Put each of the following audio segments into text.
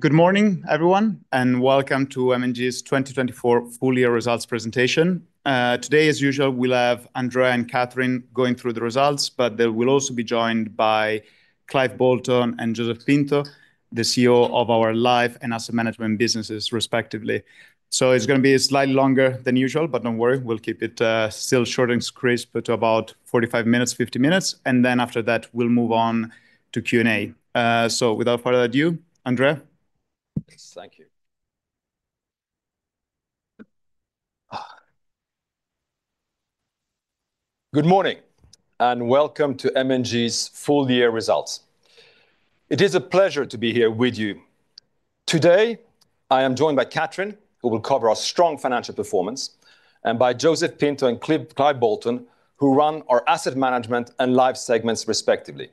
Good morning, everyone, and welcome to M&G's 2024 full-year results presentation. Today, as usual, we'll have Andrea and Kathryn going through the results, but they will also be joined by Clive Bolton and Joseph Pinto, the CEO of our Life and Asset Management businesses, respectively. It is going to be slightly longer than usual, but do not worry, we'll keep it still short and crisp to about 45 minutes, 50 minutes. After that, we'll move on to Q&A. Without further ado, Andrea. Thank you. Good morning and welcome to M&G's full-year results. It is a pleasure to be here with you. Today, I am joined by Kathryn, who will cover our strong financial performance, and by Joseph Pinto and Clive Bolton, who run our Asset Management and Life segments, respectively.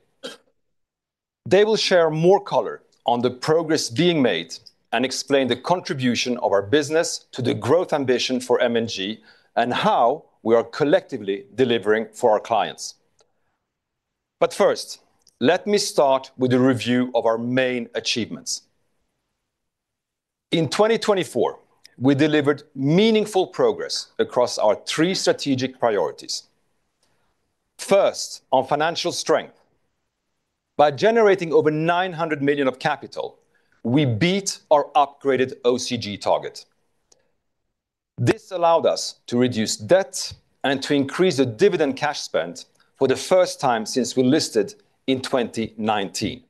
They will share more color on the progress being made and explain the contribution of our business to the growth ambition for M&G and how we are collectively delivering for our clients. First, let me start with a review of our main achievements. In 2024, we delivered meaningful progress across our three strategic priorities. First, on financial strength. By generating over 900 million of capital, we beat our upgraded OCG target. This allowed us to reduce debt and to increase the dividend cash spend for the first time since we listed in 2019.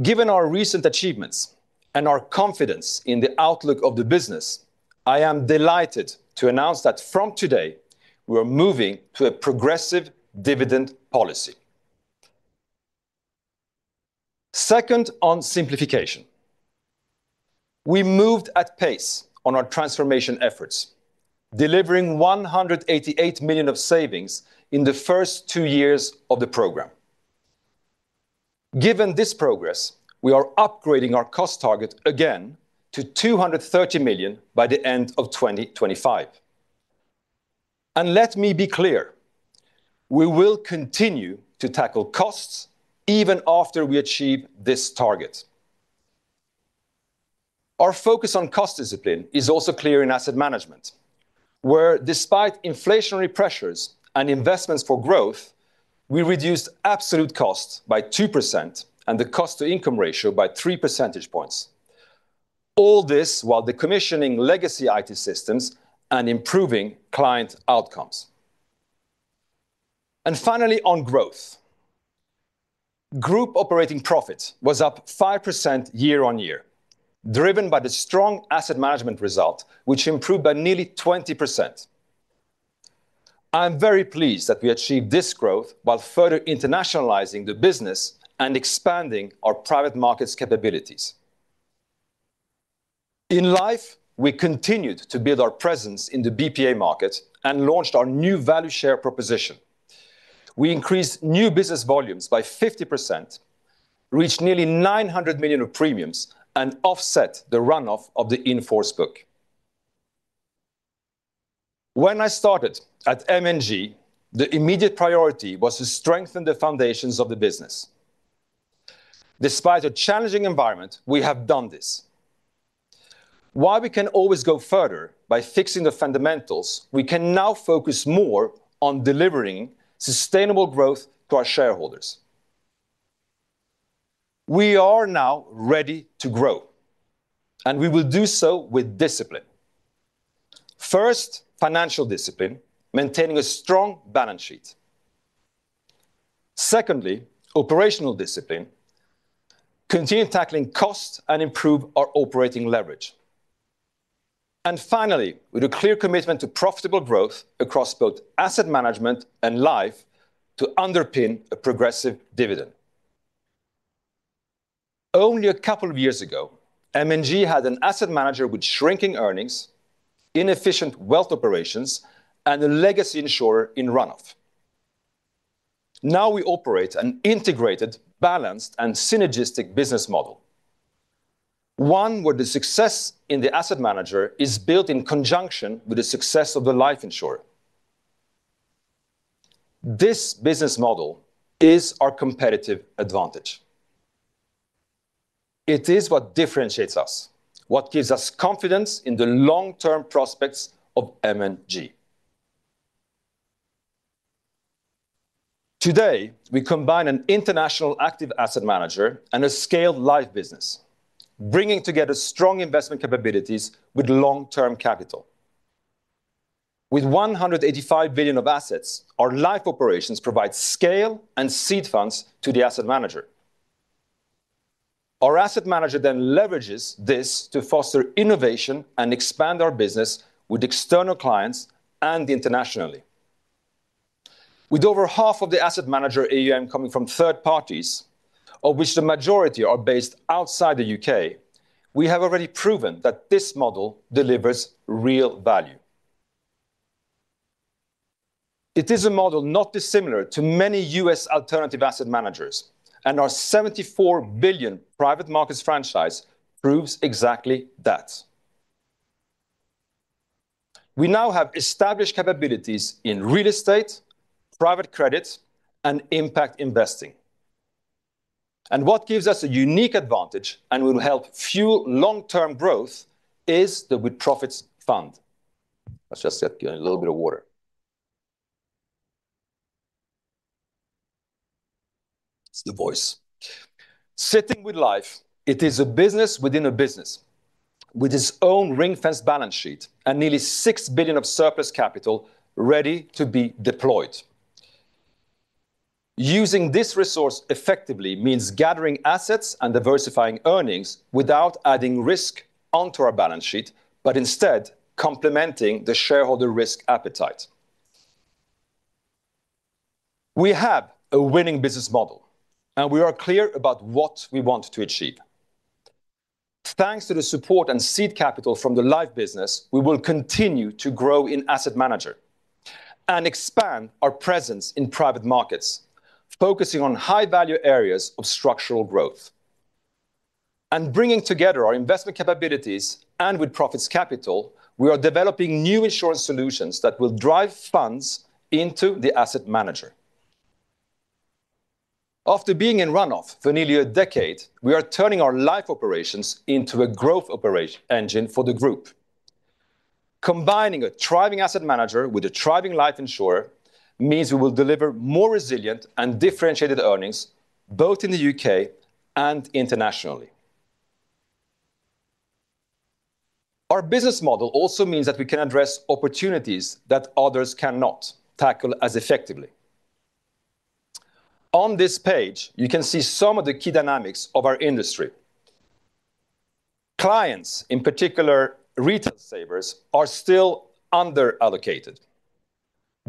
Given our recent achievements and our confidence in the outlook of the business, I am delighted to announce that from today, we are moving to a progressive dividend policy. Second, on simplification. We moved at pace on our transformation efforts, delivering 188 million of savings in the first two years of the program. Given this progress, we are upgrading our cost target again to 230 million by the end of 2025. Let me be clear, we will continue to tackle costs even after we achieve this target. Our focus on cost discipline is also clear in Asset Management, where, despite inflationary pressures and investments for growth, we reduced absolute costs by 2% and the cost-to-income ratio by 3 percentage points. All this while decommissioning legacy IT systems and improving client outcomes. Finally, on growth. Group operating profit was up 5% year on year, driven by the strong Asset Management result, which improved by nearly 20%. I'm very pleased that we achieved this growth while further internationalizing the business and expanding our private markets capabilities. In Life, we continued to build our presence in the BPA market and launched our new value share proposition. We increased new business volumes by 50%, reached nearly 900 million of premiums, and offset the run-off of the in-force book. When I started at M&G, the immediate priority was to strengthen the foundations of the business. Despite a challenging environment, we have done this. While we can always go further by fixing the fundamentals, we can now focus more on delivering sustainable growth to our shareholders. We are now ready to grow, and we will do so with discipline. First, financial discipline, maintaining a strong balance sheet. Secondly, operational discipline, continue tackling costs and improve our operating leverage. Finally, with a clear commitment to profitable growth across both Asset Management and Life to underpin a progressive dividend. Only a couple of years ago, M&G had an asset manager with shrinking earnings, inefficient wealth operations, and a legacy insurer in run-off. Now we operate an integrated, balanced, and synergistic business model, one where the success in the asset manager is built in conjunction with the success of the Life insurer. This business model is our competitive advantage. It is what differentiates us, what gives us confidence in the long-term prospects of M&G. Today, we combine an international active asset manager and a scaled Life business, bringing together strong investment capabilities with long-term capital. With 185 billion of assets, our Life operations provide scale and seed funds to the asset manager. Our asset manager then leverages this to foster innovation and expand our business with external clients and internationally. With over half of the asset manager AUM coming from third parties, of which the majority are based outside the U.K., we have already proven that this model delivers real value. It is a model not dissimilar to many U.S. alternative asset managers, and our 74 billion private markets franchise proves exactly that. We now have established capabilities in real estate, private credit, and impact investing. What gives us a unique advantage and will help fuel long-term growth is the With-Profits Fund. Let's just get a little bit of water. It's the voice. Sitting with Life, it is a business within a business, with its own ring-fenced balance sheet and nearly 6 billion of surplus capital ready to be deployed. Using this resource effectively means gathering assets and diversifying earnings without adding risk onto our balance sheet, but instead complementing the shareholder risk appetite. We have a winning business model, and we are clear about what we want to achieve. Thanks to the support and seed capital from the Life business, we will continue to grow in asset manager and expand our presence in private markets, focusing on high-value areas of structural growth. Bringing together our investment capabilities and with-profits capital, we are developing new insurance solutions that will drive funds into the asset manager. After being in run-off for nearly a decade, we are turning our Life operations into a growth engine for the group. Combining a thriving asset manager with a thriving Life insurer means we will deliver more resilient and differentiated earnings, both in the U.K. and internationally. Our business model also means that we can address opportunities that others cannot tackle as effectively. On this page, you can see some of the key dynamics of our industry. Clients, in particular retail savers, are still under-allocated.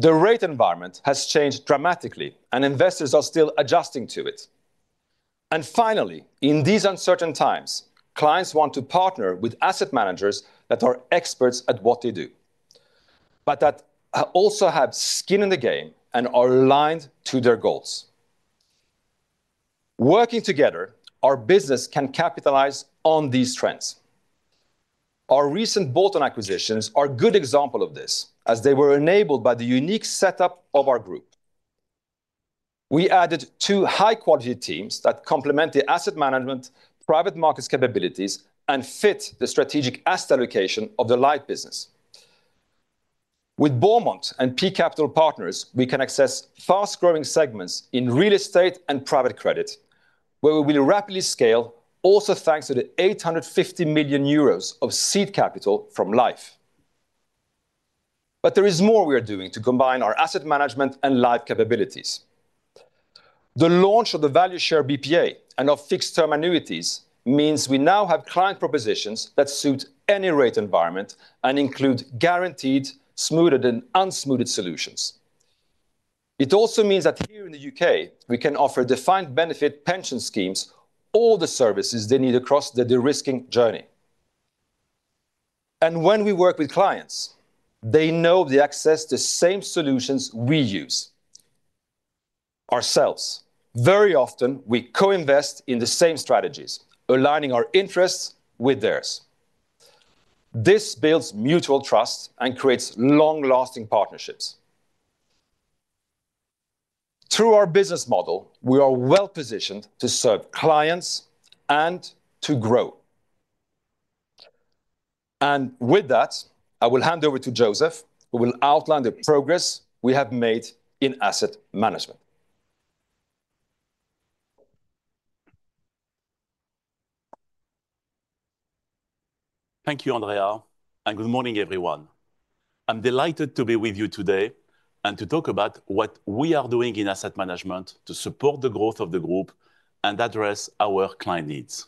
The rate environment has changed dramatically, and investors are still adjusting to it. Finally, in these uncertain times, clients want to partner with asset managers that are experts at what they do, but that also have skin in the game and are aligned to their goals. Working together, our business can capitalize on these trends. Our recent bolt-on acquisitions are a good example of this, as they were enabled by the unique setup of our group. We added two high-quality teams that complement the Asset Management, private markets capabilities, and fit the strategic asset allocation of the Life business. With BauMont and P Capital Partners, we can access fast-growing segments in real estate and private credit, where we will rapidly scale, also thanks to the 850 million euros of seed capital from Life. There is more we are doing to combine our Asset Management and Life capabilities. The launch of the Value Share BPA and of fixed-term annuities means we now have client propositions that suit any rate environment and include guaranteed, smoothed and unsmoothed solutions. It also means that here in the U.K., we can offer defined benefit pension schemes all the services they need across the de-risking journey. When we work with clients, they know they access the same solutions we use ourselves. Very often, we co-invest in the same strategies, aligning our interests with theirs. This builds mutual trust and creates long-lasting partnerships. Through our business model, we are well-positioned to serve clients and to grow. With that, I will hand over to Joseph, who will outline the progress we have made in Asset Management. Thank you, Andrea, and good morning, everyone. I'm delighted to be with you today and to talk about what we are doing in Asset Management to support the growth of the group and address our client needs.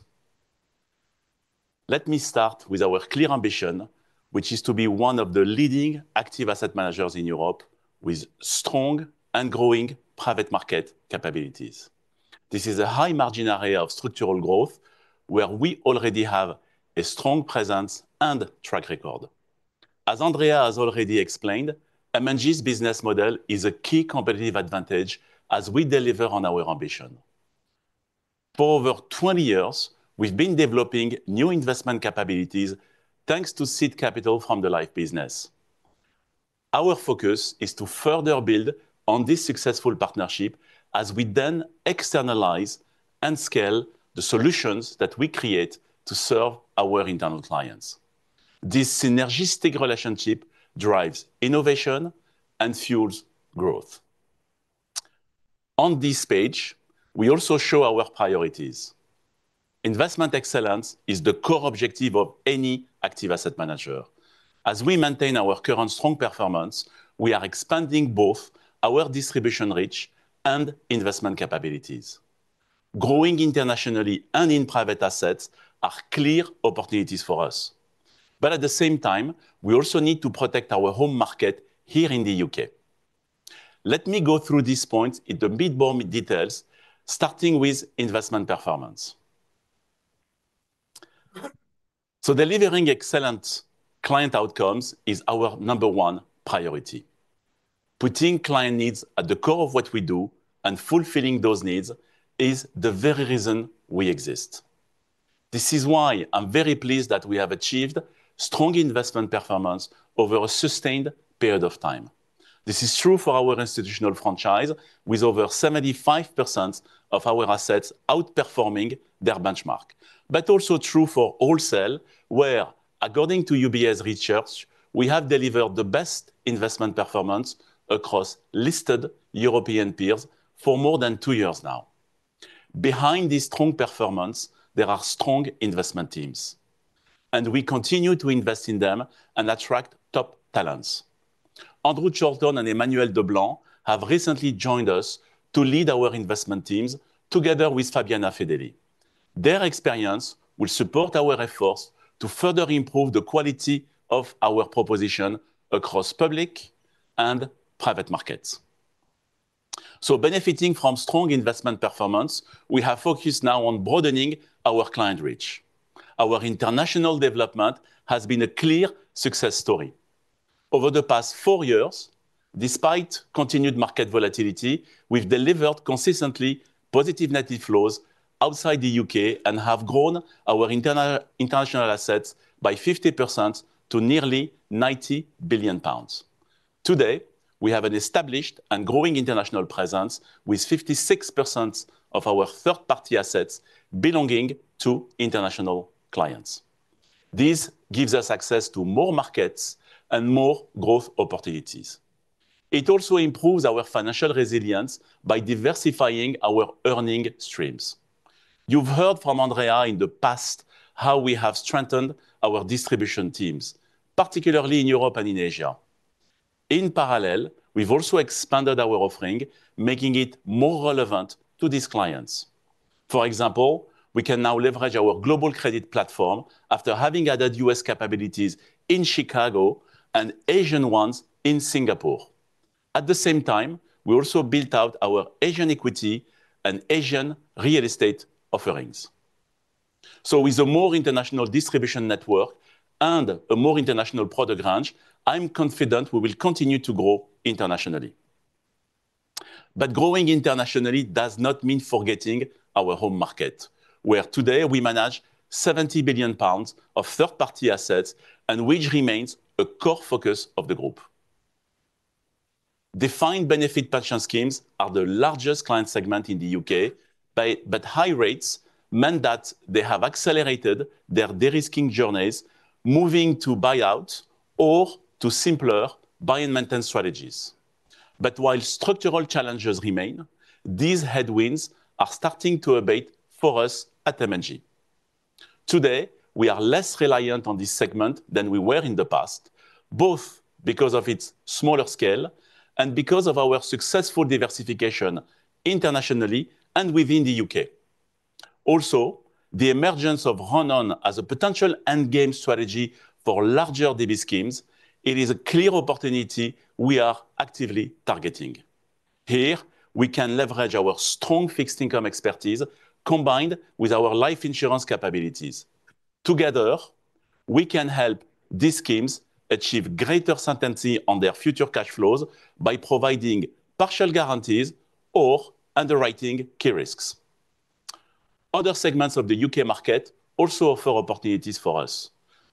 Let me start with our clear ambition, which is to be one of the leading active asset managers in Europe with strong and growing private market capabilities. This is a high-margin area of structural growth where we already have a strong presence and track record. As Andrea has already explained, M&G's business model is a key competitive advantage as we deliver on our ambition. For over 20 years, we've been developing new investment capabilities thanks to seed capital from the Life business. Our focus is to further build on this successful partnership as we then externalize and scale the solutions that we create to serve our internal clients. This synergistic relationship drives innovation and fuels growth. On this page, we also show our priorities. Investment excellence is the core objective of any active asset manager. As we maintain our current strong performance, we are expanding both our distribution reach and investment capabilities. Growing internationally and in private assets are clear opportunities for us. At the same time, we also need to protect our home market here in the U.K. Let me go through these points in the bit more details, starting with investment performance. Delivering excellent client outcomes is our number one priority. Putting client needs at the core of what we do and fulfilling those needs is the very reason we exist. This is why I'm very pleased that we have achieved strong investment performance over a sustained period of time. This is true for our institutional franchise, with over 75% of our assets outperforming their benchmark. It is also true for Wholesale, where, according to UBS Research, we have delivered the best investment performance across listed European peers for more than two years now. Behind this strong performance, there are strong investment teams, and we continue to invest in them and attract top talents. Andrew Chorlton and Emmanuel Deblanc have recently joined us to lead our investment teams together with Fabiana Fedeli. Their experience will support our efforts to further improve the quality of our proposition across public and private markets. Benefiting from strong investment performance, we have focused now on broadening our client reach. Our international development has been a clear success story. Over the past four years, despite continued market volatility, we've delivered consistently positive net inflows outside the U.K. and have grown our international assets by 50% to nearly 90 billion pounds. Today, we have an established and growing international presence with 56% of our third-party assets belonging to international clients. This gives us access to more markets and more growth opportunities. It also improves our financial resilience by diversifying our earning streams. You've heard from Andrea in the past how we have strengthened our distribution teams, particularly in Europe and in Asia. In parallel, we've also expanded our offering, making it more relevant to these clients. For example, we can now leverage our global credit platform after having added U.S. capabilities in Chicago and Asian ones in Singapore. At the same time, we also built out our Asian equity and Asian real estate offerings. With a more international distribution network and a more international product range, I'm confident we will continue to grow internationally. Growing internationally does not mean forgetting our home market, where today we manage 70 billion pounds of third-party assets, and which remains a core focus of the group. Defined benefit pension schemes are the largest client segment in the U.K., but high rates mean that they have accelerated their de-risking journeys, moving to buyouts or to simpler buy-and-maintain strategies. While structural challenges remain, these headwinds are starting to abate for us at M&G. Today, we are less reliant on this segment than we were in the past, both because of its smaller scale and because of our successful diversification internationally and within the U.K. Also, the emergence of run-on as a potential endgame strategy for larger DB schemes is a clear opportunity we are actively targeting. Here, we can leverage our strong fixed income expertise combined with our Life insurance capabilities. Together, we can help these schemes achieve greater certainty on their future cash flows by providing partial guarantees or underwriting key risks. Other segments of the U.K. market also offer opportunities for us.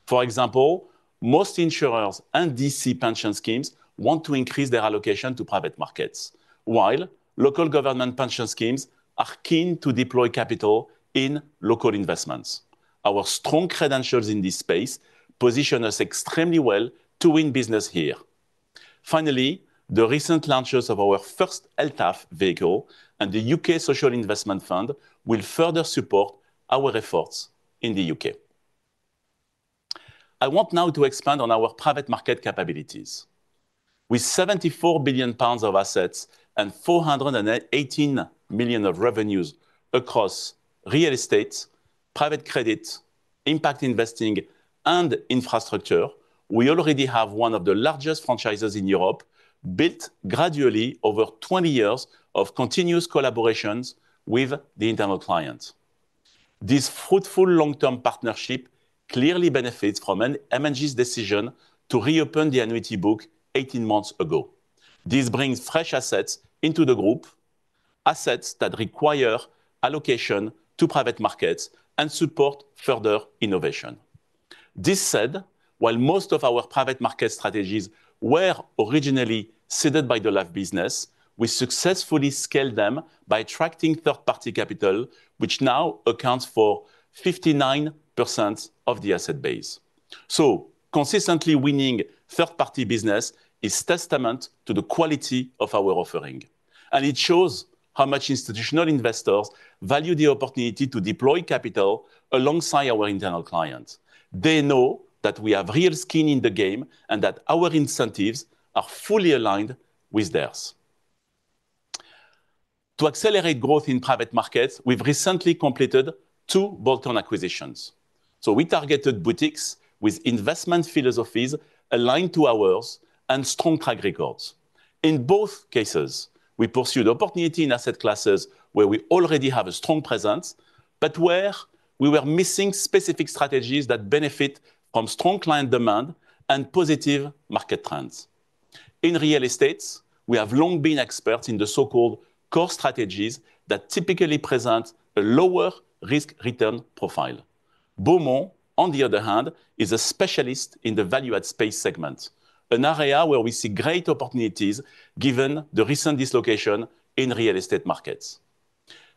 For example, most insurers and DC pension schemes want to increase their allocation to private markets, while local government pension schemes are keen to deploy capital in local investments. Our strong credentials in this space position us extremely well to win business here. Finally, the recent launches of our first LTAF vehicle and the U.K. Social Investment Fund will further support our efforts in the U.K. I want now to expand on our private market capabilities. With 74 billion pounds of assets and 418 million of revenues across real estate, private credit, impact investing, and infrastructure, we already have one of the largest franchises in Europe built gradually over 20 years of continuous collaborations with the internal clients. This fruitful long-term partnership clearly benefits from M&G's decision to reopen the annuity book 18 months ago. This brings fresh assets into the group, assets that require allocation to private markets and support further innovation. That said, while most of our private market strategies were originally seeded by the Life business, we successfully scaled them by attracting third-party capital, which now accounts for 59% of the asset base. Consistently winning third-party business is testament to the quality of our offering, and it shows how much institutional investors value the opportunity to deploy capital alongside our internal clients. They know that we have real skin in the game and that our incentives are fully aligned with theirs. To accelerate growth in private markets, we've recently completed two bolt-on acquisitions. We targeted boutiques with investment philosophies aligned to ours and strong track records. In both cases, we pursued opportunity in asset classes where we already have a strong presence, but where we were missing specific strategies that benefit from strong client demand and positive market trends. In real estate, we have long been experts in the so-called core strategies that typically present a lower risk-return profile. BauMont, on the other hand, is a specialist in the value-add space segment, an area where we see great opportunities given the recent dislocation in real estate markets.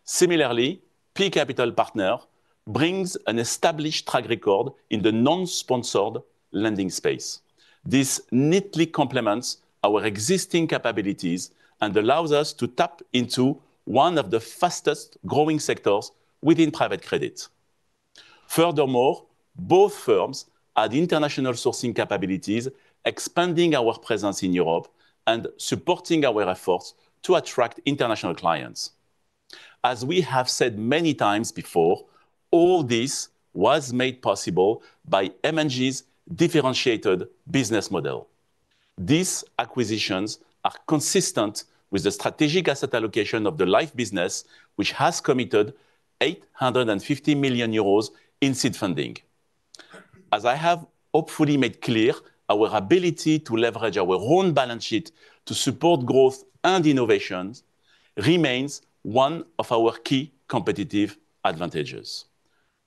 Similarly, P Capital Partners brings an established track record in the non-sponsored lending space. This neatly complements our existing capabilities and allows us to tap into one of the fastest-growing sectors within private credit. Furthermore, both firms had international sourcing capabilities, expanding our presence in Europe and supporting our efforts to attract international clients. As we have said many times before, all this was made possible by M&G's differentiated business model. These acquisitions are consistent with the strategic asset allocation of the Life business, which has committed 850 million euros in seed funding. As I have hopefully made clear, our ability to leverage our own balance sheet to support growth and innovation remains one of our key competitive advantages.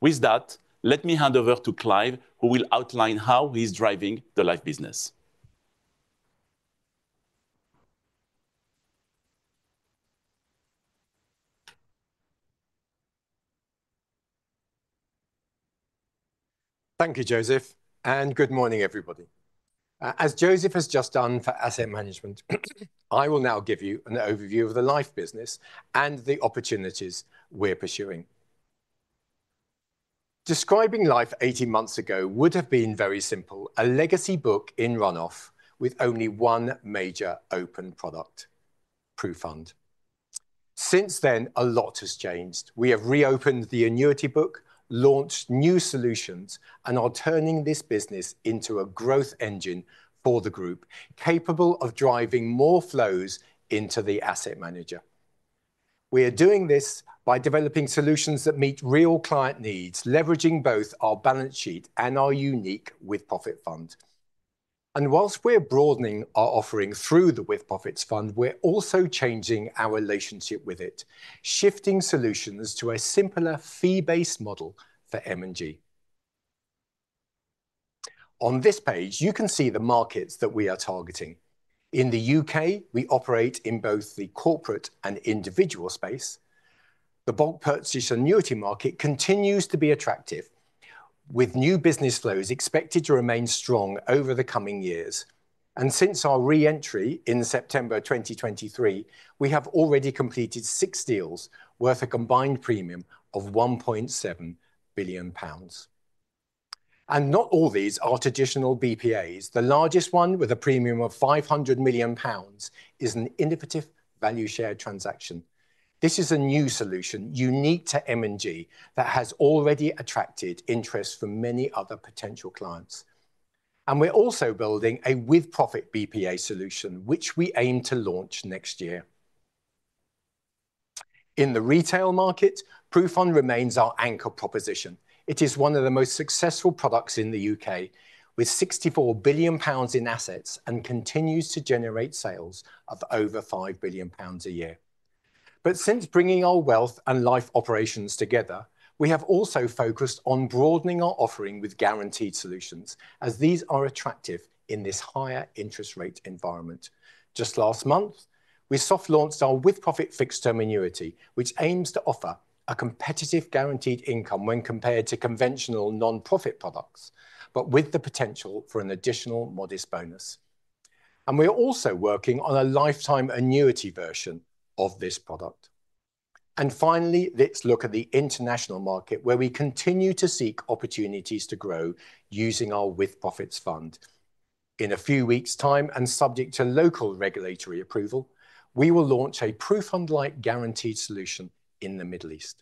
With that, let me hand over to Clive, who will outline how he's driving the Life business. Thank you, Joseph, and good morning, everybody. As Joseph has just done for Asset Management, I will now give you an overview of the Life business and the opportunities we're pursuing. Describing Life 18 months ago would have been very simple, a legacy book in run-off with only one major open product, PruFund. Since then, a lot has changed. We have reopened the annuity book, launched new solutions, and are turning this business into a growth engine for the group, capable of driving more flows into the asset manager. We are doing this by developing solutions that meet real client needs, leveraging both our balance sheet and our unique With-Profits Fund. Whilst we're broadening our offering through the With-Profits Fund, we're also changing our relationship with it, shifting solutions to a simpler fee-based model for M&G. On this page, you can see the markets that we are targeting. In the U.K., we operate in both the corporate and individual space. The bulk purchase annuity market continues to be attractive, with new business flows expected to remain strong over the coming years. Since our re-entry in September 2023, we have already completed six deals worth a combined premium of 1.7 billion pounds. Not all these are traditional BPAs. The largest one, with a premium of 500 million pounds, is an innovative value share transaction. This is a new solution unique to M&G that has already attracted interest from many other potential clients. We are also building a with profit BPA solution, which we aim to launch next year. In the retail market, PruFund remains our anchor proposition. It is one of the most successful products in the U.K., with 64 billion pounds in assets and continues to generate sales of over 5 billion pounds a year. Since bringing our Wealth and Life operations together, we have also focused on broadening our offering with guaranteed solutions, as these are attractive in this higher interest rate environment. Just last month, we soft launched our with-profits fixed-term annuity, which aims to offer a competitive guaranteed income when compared to conventional non-profit products, but with the potential for an additional modest bonus. We are also working on a Lifetime annuity version of this product. Finally, let's look at the international market, where we continue to seek opportunities to grow using our With-Profits Fund. In a few weeks' time, and subject to local regulatory approval, we will launch a PruFund-like guaranteed solution in the Middle East.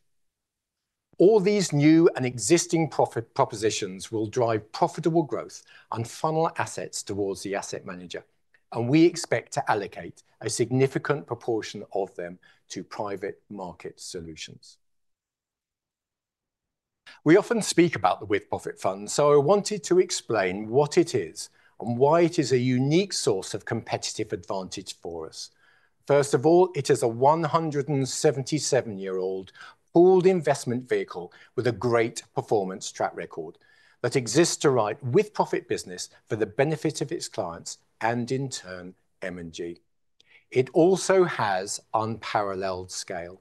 All these new and existing profit propositions will drive profitable growth and funnel assets towards the asset manager, and we expect to allocate a significant proportion of them to private market solutions. We often speak about the With-Profits Fund, so I wanted to explain what it is and why it is a unique source of competitive advantage for us. First of all, it is a 177-year-old pooled investment vehicle with a great performance track record that exists to write with profit business for the benefit of its clients and, in turn, M&G. It also has unparalleled scale.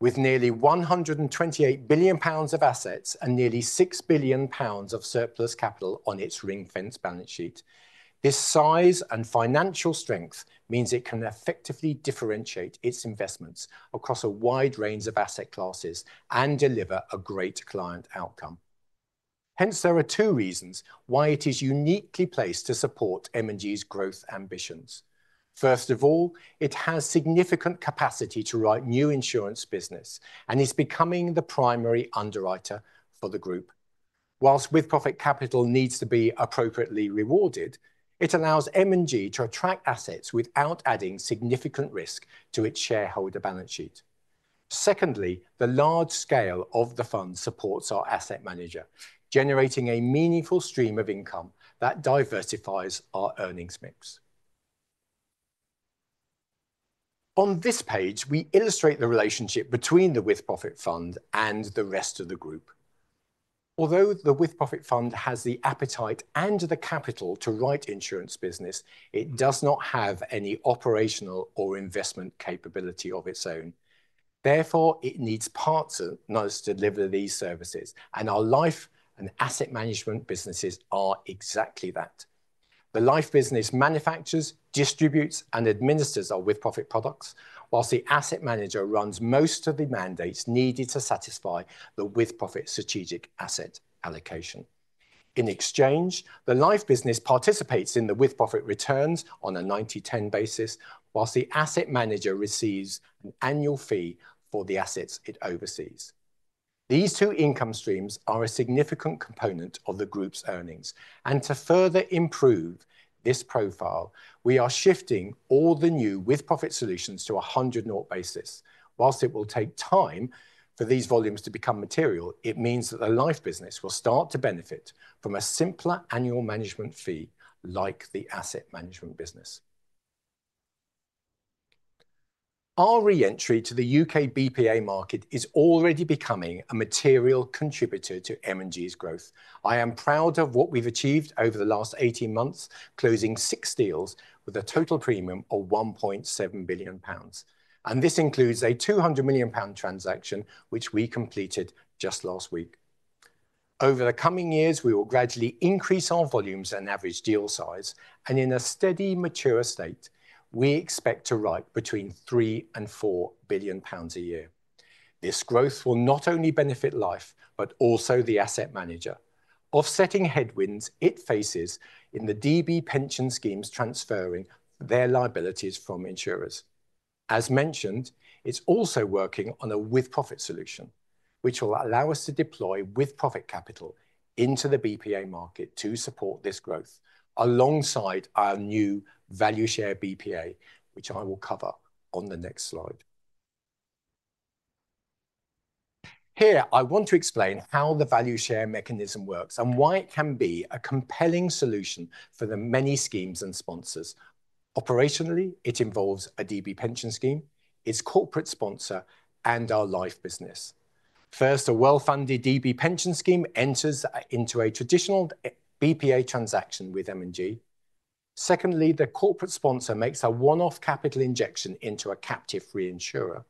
With nearly 128 billion pounds of assets and nearly 6 billion pounds of surplus capital on its ring-fenced balance sheet, this size and financial strength means it can effectively differentiate its investments across a wide range of asset classes and deliver a great client outcome. Hence, there are two reasons why it is uniquely placed to support M&G's growth ambitions. First of all, it has significant capacity to write new insurance business and is becoming the primary underwriter for the group. Whilst with profit capital needs to be appropriately rewarded, it allows M&G to attract assets without adding significant risk to its shareholder balance sheet. Secondly, the large scale of the fund supports our asset manager, generating a meaningful stream of income that diversifies our earnings mix. On this page, we illustrate the relationship between the With-Profits Fund and the rest of the group. Although the With-Profits Fund has the appetite and the capital to write insurance business, it does not have any operational or investment capability of its own. Therefore, it needs partners to deliver these services, and our Life and Asset Management businesses are exactly that. The Life business manufactures, distributes, and administers our With-Profit products, whilst the asset manager runs most of the mandates needed to satisfy the with profit strategic asset allocation. In exchange, the Life business participates in the with profit returns on a 90/10 basis, whilst the asset manager receives an annual fee for the assets it oversees. These two income streams are a significant component of the group's earnings, and to further improve this profile, we are shifting all the new with profit solutions to a 100/0 basis. Whilst it will take time for these volumes to become material, it means that the Life business will start to benefit from a simpler annual management fee like the Asset Management business. Our re-entry to the U.K. BPA market is already becoming a material contributor to M&G's growth. I am proud of what we've achieved over the last 18 months, closing six deals with a total premium of 1.7 billion pounds. This includes a 200 million pound transaction, which we completed just last week. Over the coming years, we will gradually increase our volumes and average deal size, and in a steady, mature state, we expect to write between 3 billion and 4 billion pounds a year. This growth will not only benefit Life, but also the asset manager, offsetting headwinds it faces in the DB pension schemes transferring their liabilities from insurers. As mentioned, it's also working on a with profit solution, which will allow us to deploy with profit capital into the BPA market to support this growth, alongside our new Value Share BPA, which I will cover on the next slide. Here, I want to explain how the value share mechanism works and why it can be a compelling solution for the many schemes and sponsors. Operationally, it involves a DB pension scheme, its corporate sponsor, and our Life business. First, a well-funded DB pension scheme enters into a traditional BPA transaction with M&G. Secondly, the corporate sponsor makes a one-off capital injection into a captive reinsurer.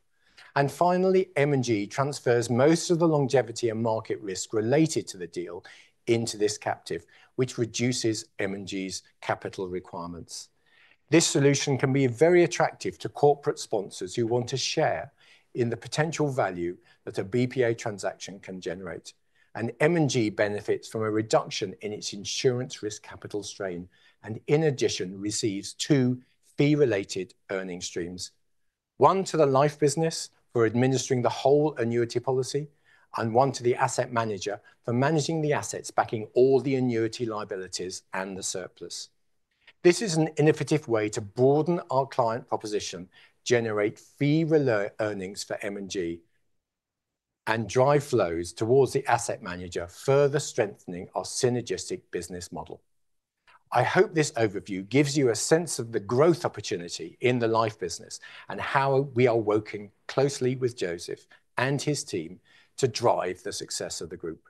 Finally, M&G transfers most of the longevity and market risk related to the deal into this captive, which reduces M&G's capital requirements. This solution can be very attractive to corporate sponsors who want to share in the potential value that a BPA transaction can generate. M&G benefits from a reduction in its insurance risk capital strain and, in addition, receives two fee-related earnings streams, one to the Life business for administering the whole annuity policy and one to the asset manager for managing the assets, backing all the annuity liabilities and the surplus. This is an innovative way to broaden our client proposition, generate fee-related earnings for M&G, and drive flows towards the asset manager, further strengthening our synergistic business model. I hope this overview gives you a sense of the growth opportunity in the Life business and how we are working closely with Joseph and his team to drive the success of the group.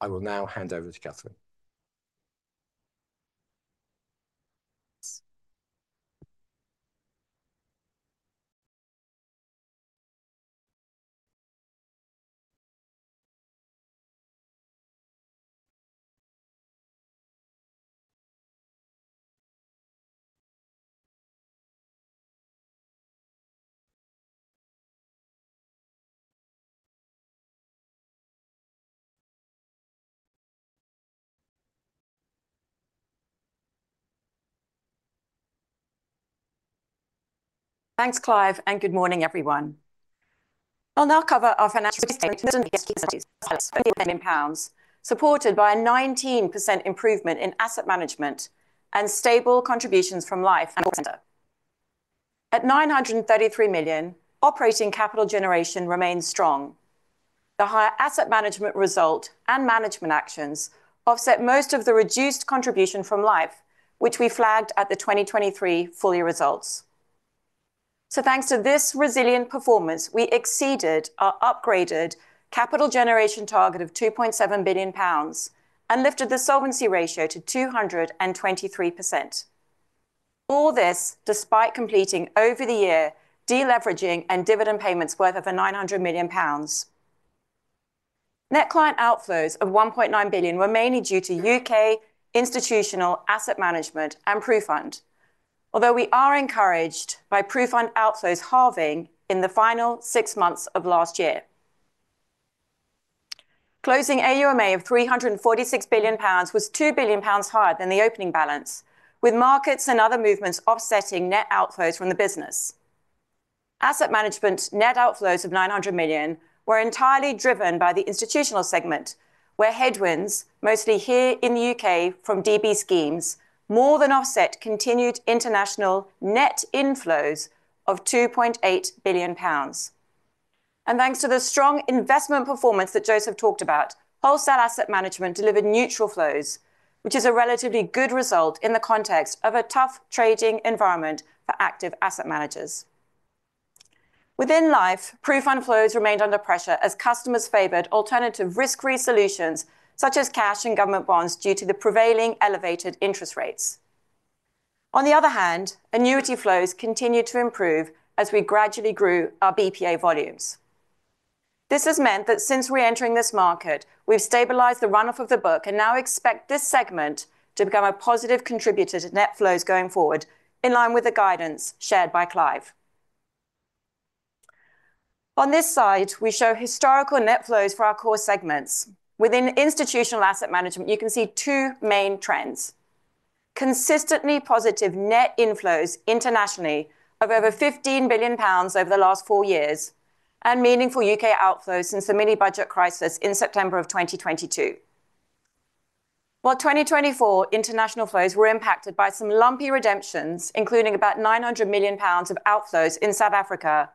I will now hand over to Kathryn. Thanks, Clive, and good morning, everyone. I'll now cover our financial statement in pounds, supported by a 19% improvement in Asset Management and stable contributions from Life and Corporate Centre. At 933 million, operating capital generation remains strong. The higher Asset Management result and management actions offset most of the reduced contribution from Life, which we flagged at the 2023 full year results. Thanks to this resilient performance, we exceeded our upgraded capital generation target of 2.7 billion pounds and lifted the solvency ratio to 223%. All this despite completing over the year deleveraging and dividend payments worth over 900 million pounds. Net client outflows of 1.9 billion were mainly due to U.K. Institutional Asset Management and PruFund, although we are encouraged by PruFund outflows halving in the final six months of last year. Closing AUMA of 346 billion pounds was 2 billion pounds higher than the opening balance, with markets and other movements offsetting net outflows from the business. Asset management net outflows of 900 million were entirely driven by the institutional segment, where headwinds, mostly here in the U.K. from DB schemes, more than offset continued international net inflows of 2.8 billion pounds. Thanks to the strong investment performance that Joseph talked about, Wholesale Asset Management delivered neutral flows, which is a relatively good result in the context of a tough trading environment for active asset managers. Within Life, PruFund flows remained under pressure as customers favored alternative risk-free solutions such as cash and government bonds due to the prevailing elevated interest rates. On the other hand, annuity flows continued to improve as we gradually grew our BPA volumes. This has meant that since re-entering this market, we've stabilized the run-off of the book and now expect this segment to become a positive contributor to net flows going forward in line with the guidance shared by Clive. On this slide, we show historical net flows for our core segments. Within Institutional Asset Management, you can see two main trends: consistently positive net inflows internationally of over 15 billion pounds over the last four years and meaningful U.K. outflows since the mini budget crisis in September of 2022. While 2024 international flows were impacted by some lumpy redemptions, including about 900 million pounds of outflows in South Africa,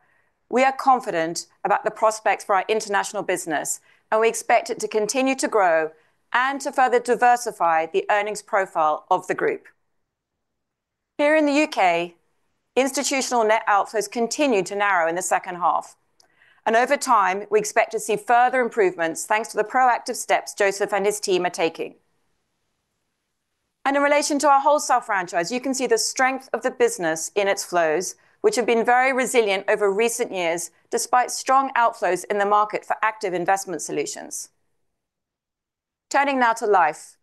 we are confident about the prospects for our international business, and we expect it to continue to grow and to further diversify the earnings profile of the group. Here in the U.K., institutional net outflows continue to narrow in the second half. Over time, we expect to see further improvements thanks to the proactive steps Joseph and his team are taking. In relation to our Wholesale franchise, you can see the strength of the business in its flows, which have been very resilient over recent years despite strong outflows in the market for active investment solutions. Turning now to Life,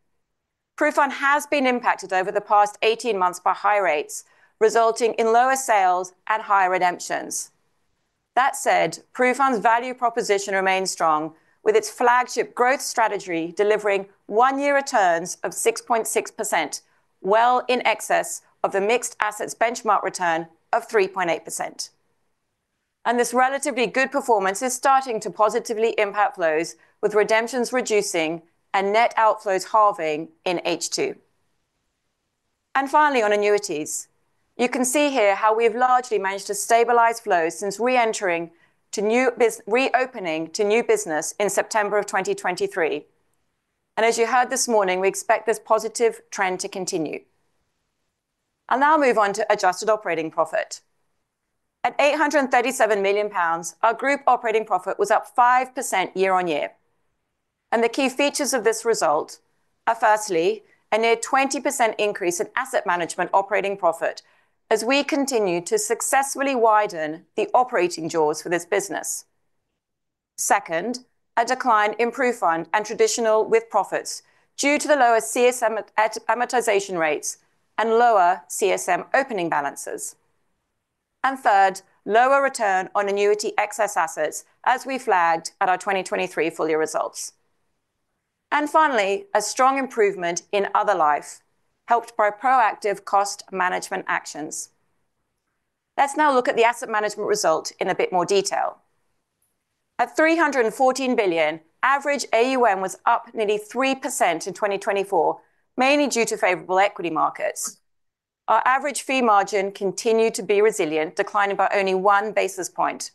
PruFund has been impacted over the past 18 months by high rates, resulting in lower sales and higher redemptions. That said, PruFund's value proposition remains strong, with its flagship growth strategy delivering one-year returns of 6.6%, well in excess of the mixed assets benchmark return of 3.8%. This relatively good performance is starting to positively impact flows, with redemptions reducing and net outflows halving in H2. Finally, on annuities, you can see here how we have largely managed to stabilize flows since re-entering to new business, reopening to new business in September of 2023. As you heard this morning, we expect this positive trend to continue. I'll now move on to adjusted operating profit. At 837 million pounds, our group operating profit was up 5% year on year. The key features of this result are, firstly, a near 20% increase in Asset Management operating profit as we continue to successfully widen the operating jaws for this business. Second, a decline in PruFund and Traditional With-Profits due to the lower CSM amortization rates and lower CSM opening balances. Third, lower return on annuity excess assets as we flagged at our 2023 full year results. Finally, a strong improvement in Other Life helped by proactive cost management actions. Let's now look at the Asset Management result in a bit more detail. At 314 billion, average AUM was up nearly 3% in 2024, mainly due to favorable equity markets. Our average fee margin continued to be resilient, declining by only one basis point.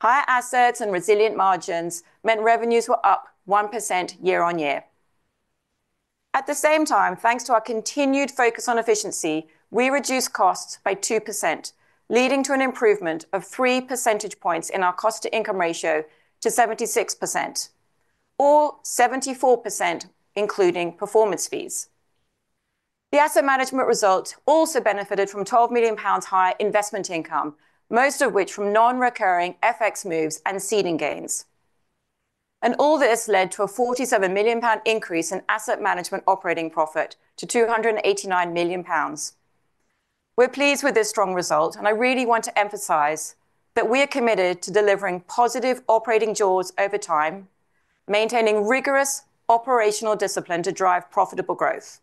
Higher assets and resilient margins meant revenues were up 1% year on year. At the same time, thanks to our continued focus on efficiency, we reduced costs by 2%, leading to an improvement of 3 percentage points in our cost-to income ratio to 76%, or 74% including performance fees. The Asset Management result also benefited from 12 million pounds higher investment income, most of which from non-recurring FX moves and seeding gains. All this led to a 47 million pound increase in Asset Management operating profit to 289 million pounds. We're pleased with this strong result, and I really want to emphasize that we are committed to delivering positive operating jaws over time, maintaining rigorous operational discipline to drive profitable growth.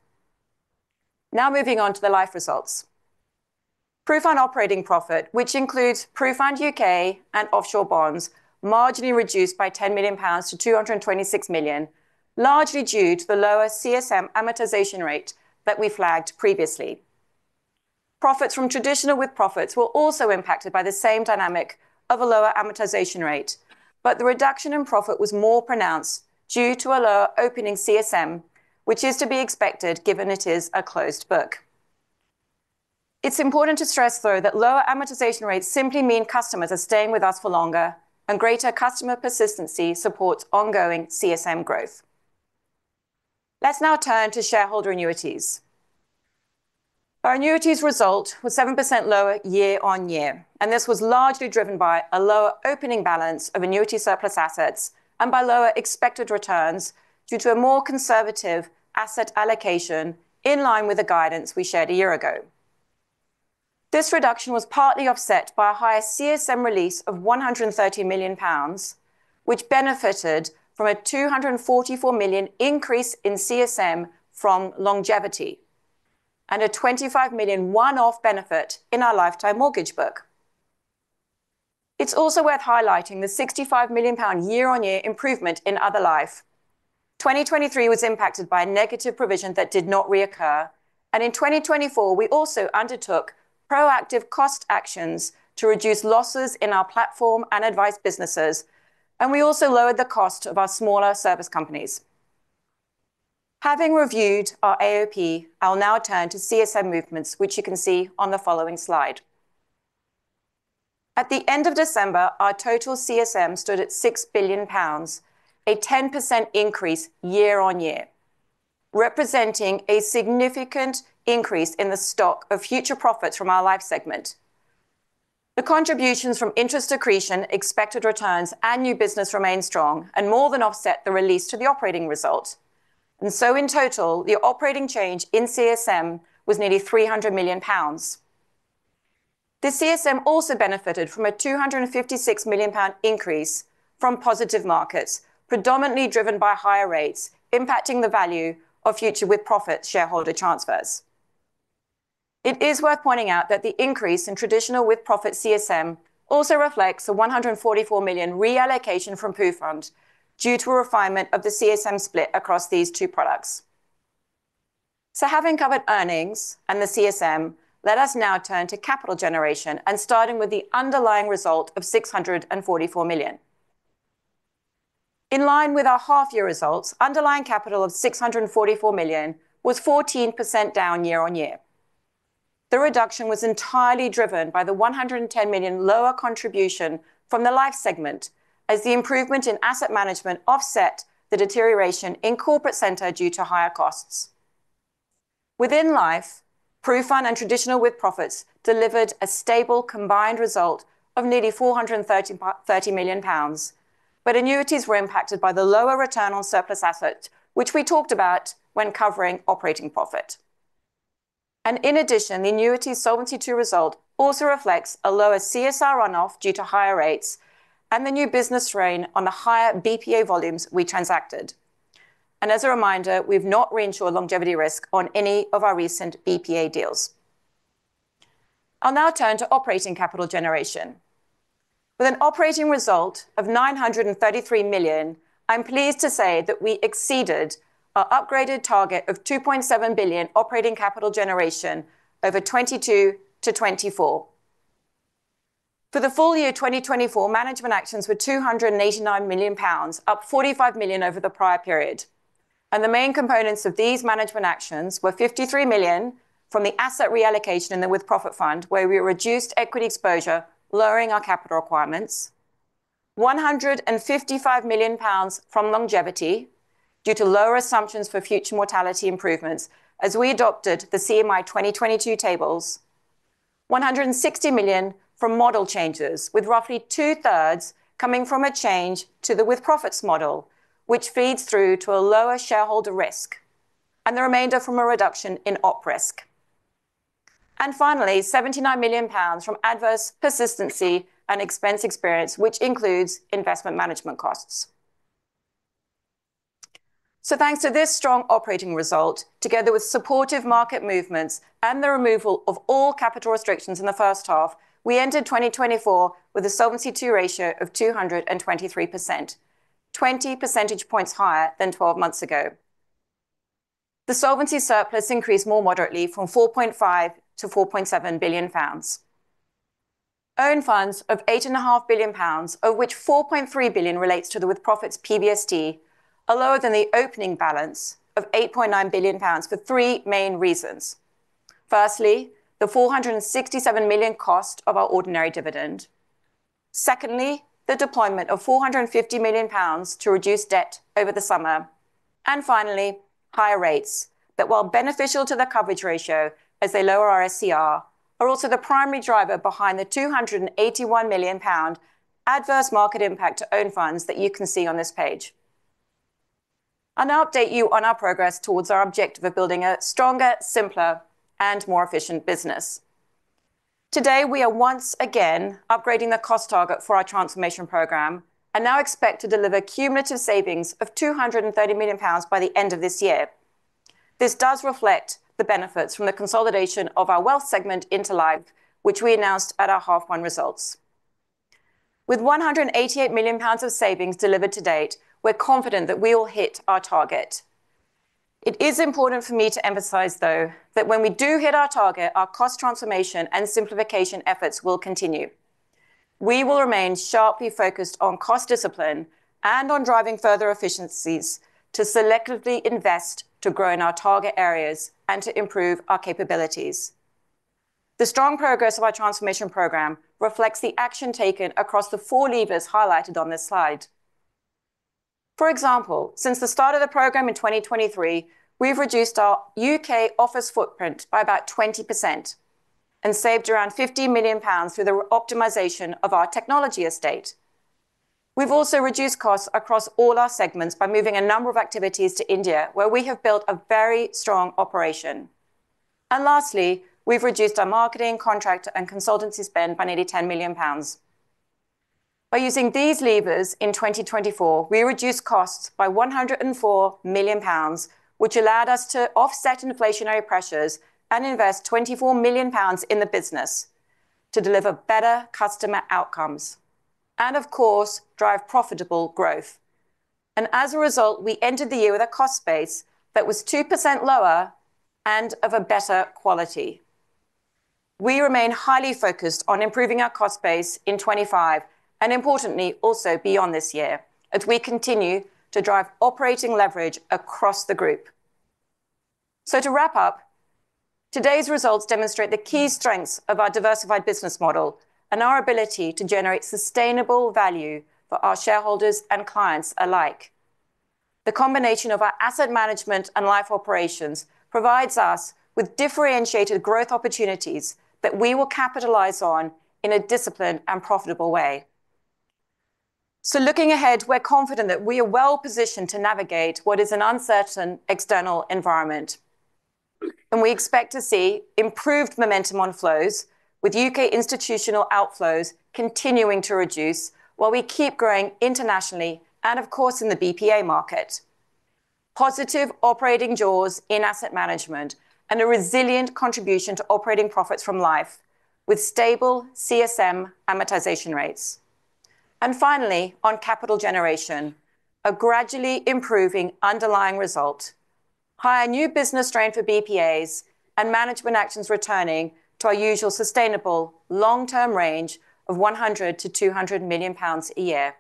Now moving on to the Life results. PruFund operating profit, which includes PruFund U.K. and offshore bonds, marginally reduced by 10 million pounds to 226 million, largely due to the lower CSM amortization rate that we flagged previously. Profits from Traditional With-Profits were also impacted by the same dynamic of a lower amortization rate, but the reduction in profit was more pronounced due to a lower opening CSM, which is to be expected given it is a closed book. It's important to stress, though, that lower amortization rates simply mean customers are staying with us for longer, and greater customer persistency supports ongoing CSM growth. Let's now turn to Shareholder Annuities. Our Annuities result was 7% lower year on year, and this was largely driven by a lower opening balance of annuity surplus assets and by lower expected returns due to a more conservative asset allocation in line with the guidance we shared a year ago. This reduction was partly offset by a higher CSM release of 130 million pounds, which benefited from a 244 million increase in CSM from longevity and a 25 million one-off benefit in our Lifetime mortgage book. It's also worth highlighting the 65 million pound year on year improvement in Other Life. 2023 was impacted by a negative provision that did not reoccur, and in 2024, we also undertook proactive cost actions to reduce losses in our platform and advice businesses, and we also lowered the cost of our smaller service companies. Having reviewed our AOP, I'll now turn to CSM movements, which you can see on the following slide. At the end of December, our total CSM stood at 6 billion pounds, a 10% increase year on year, representing a significant increase in the stock of future profits from our Life segment. The contributions from interest accretion, expected returns, and new business remained strong and more than offset the release to the operating result. In total, the operating change in CSM was nearly 300 million pounds. The CSM also benefited from a 256 million pound increase from positive markets, predominantly driven by higher rates impacting the value of future with profit shareholder transfers. It is worth pointing out that the increase in traditional with-profit CSM also reflects a 144 million reallocation from PruFund due to a refinement of the CSM split across these two products. Having covered earnings and the CSM, let us now turn to capital generation and starting with the underlying result of 644 million. In line with our half year results, underlying capital of 644 million was 14% down year on year. The reduction was entirely driven by the 110 million lower contribution from the Life segment, as the improvement in Asset Management offset the deterioration in Corporate Centre due to higher costs. Within Life, PruFund and Traditional With-Profits delivered a stable combined result of nearly 430 million pounds, but annuities were impacted by the lower return on surplus assets, which we talked about when covering operating profit. In addition, the annuity Solvency II result also reflects a lower SCR run-off due to higher rates and the new business strain on the higher BPA volumes we transacted. As a reminder, we've not reinsured longevity risk on any of our recent BPA deals. I'll now turn to operating capital generation. With an operating result of 933 million, I'm pleased to say that we exceeded our upgraded target of 2.7 billion operating capital generation over 2022 to 2024. For the full year 2024, management actions were 289 million pounds, up 45 million over the prior period. The main components of these management actions were 53 million from the asset reallocation in the With-Profits Fund, where we reduced equity exposure, lowering our capital requirements, 155 million pounds from longevity due to lower assumptions for future mortality improvements as we adopted the CMI 2022 tables, 160 million from model changes, with roughly two thirds coming from a change to the with-profits model, which feeds through to a lower shareholder risk and the remainder from a reduction in op risk. Finally, 79 million pounds from adverse persistency and expense experience, which includes investment management costs. Thanks to this strong operating result, together with supportive market movements and the removal of all capital restrictions in the first half, we entered 2024 with a Solvency II ratio of 223%, 20 percentage points higher than 12 months ago. The solvency surplus increased more moderately from 4.5 billion to 4.7 billion pounds. Own Funds of 8.5 billion pounds, of which 4.3 billion relates to the with-profits PVST, are lower than the opening balance of 8.9 billion pounds for three main reasons. Firstly, the 467 million cost of our ordinary dividend. Secondly, the deployment of 450 million pounds to reduce debt over the summer. Finally, higher rates that, while beneficial to the coverage ratio as they lower our SCR, are also the primary driver behind the 281 million pound adverse market impact to Own Funds that you can see on this page. I'll now update you on our progress towards our objective of building a stronger, simpler, and more efficient business. Today, we are once again upgrading the cost target for our transformation program and now expect to deliver cumulative savings of 230 million pounds by the end of this year. This does reflect the benefits from the consolidation of our Wealth segment into Life, which we announced at our half one results. With 188 million pounds of savings delivered to date, we're confident that we will hit our target. It is important for me to emphasize, though, that when we do hit our target, our cost transformation and simplification efforts will continue. We will remain sharply focused on cost discipline and on driving further efficiencies to selectively invest to grow in our target areas and to improve our capabilities. The strong progress of our transformation program reflects the action taken across the four levers highlighted on this slide. For example, since the start of the program in 2023, we've reduced our U.K. office footprint by about 20% and saved around 50 million pounds through the optimization of our technology estate. We've also reduced costs across all our segments by moving a number of activities to India, where we have built a very strong operation. Lastly, we've reduced our marketing, contractor, and consultancy spend by nearly 10 million pounds. By using these levers in 2024, we reduced costs by 104 million pounds, which allowed us to offset inflationary pressures and invest 24 million pounds in the business to deliver better customer outcomes and, of course, drive profitable growth. As a result, we entered the year with a cost base that was 2% lower and of a better quality. We remain highly focused on improving our cost base in 2025 and, importantly, also beyond this year as we continue to drive operating leverage across the group. To wrap up, today's results demonstrate the key strengths of our diversified business model and our ability to generate sustainable value for our shareholders and clients alike. The combination of our Asset Management and Life operations provides us with differentiated growth opportunities that we will capitalize on in a disciplined and profitable way. Looking ahead, we're confident that we are well positioned to navigate what is an uncertain external environment. We expect to see improved momentum on flows, with U.K. institutional outflows continuing to reduce while we keep growing internationally and, of course, in the BPA market. Positive operating jaws in Asset Management and a resilient contribution to operating profits from Life with stable CSM amortization rates. Finally, on capital generation, a gradually improving underlying result, higher new business strain for BPAs and management actions returning to our usual sustainable long-term range of 100 million-200 million pounds a year.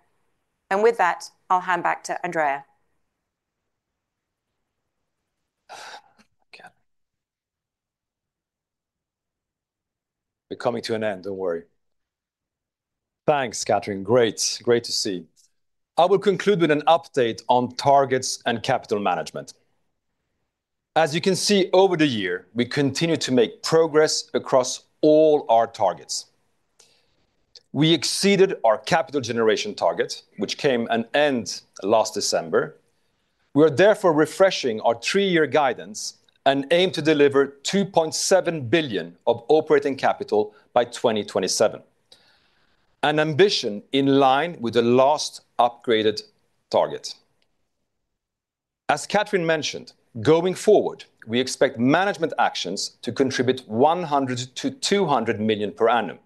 With that, I'll hand back to Andrea. We're coming to an end, don't worry. Thanks, Kathryn. Great, great to see. I will conclude with an update on targets and capital management. As you can see over the year, we continue to make progress across all our targets. We exceeded our capital generation target, which came to an end last December. We are therefore refreshing our three-year guidance and aim to deliver 2.7 billion of operating capital by 2027, an ambition in line with the last upgraded target. As Kathryn mentioned, going forward, we expect management actions to contribute 100 million-200 million per annum.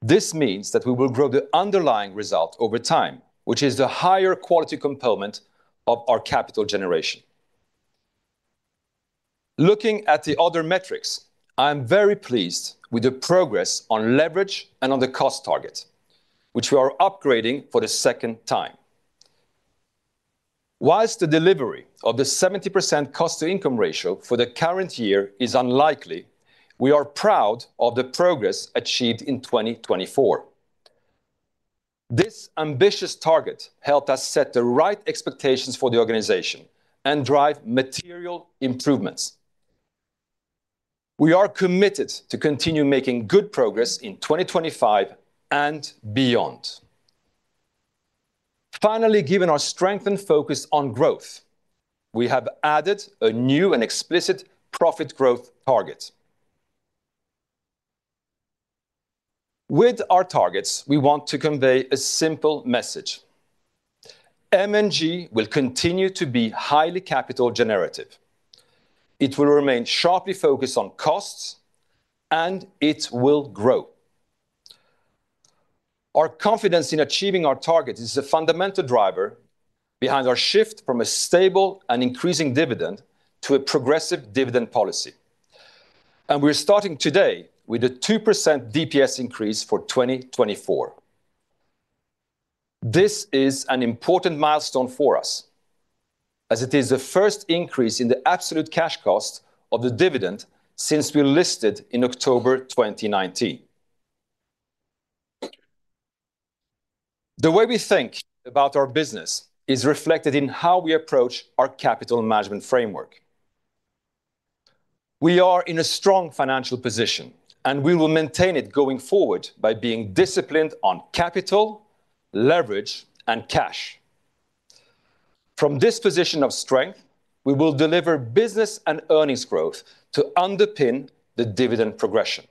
This means that we will grow the underlying result over time, which is the higher quality component of our capital generation. Looking at the other metrics, I'm very pleased with the progress on leverage and on the cost target, which we are upgrading for the second time. Whilst the delivery of the 70% cost-to-income ratio for the current year is unlikely, we are proud of the progress achieved in 2024. This ambitious target helped us set the right expectations for the organization and drive material improvements. We are committed to continue making good progress in 2025 and beyond. Finally, given our strength and focus on growth, we have added a new and explicit profit growth target. With our targets, we want to convey a simple message. M&G will continue to be highly capital generative. It will remain sharply focused on costs, and it will grow. Our confidence in achieving our target is the fundamental driver behind our shift from a stable and increasing dividend to a progressive dividend policy. We are starting today with a 2% DPS increase for 2024. This is an important milestone for us, as it is the first increase in the absolute cash cost of the dividend since we listed in October 2019. The way we think about our business is reflected in how we approach our capital management framework. We are in a strong financial position, and we will maintain it going forward by being disciplined on capital, leverage, and cash. From this position of strength, we will deliver business and earnings growth to underpin the dividend progression.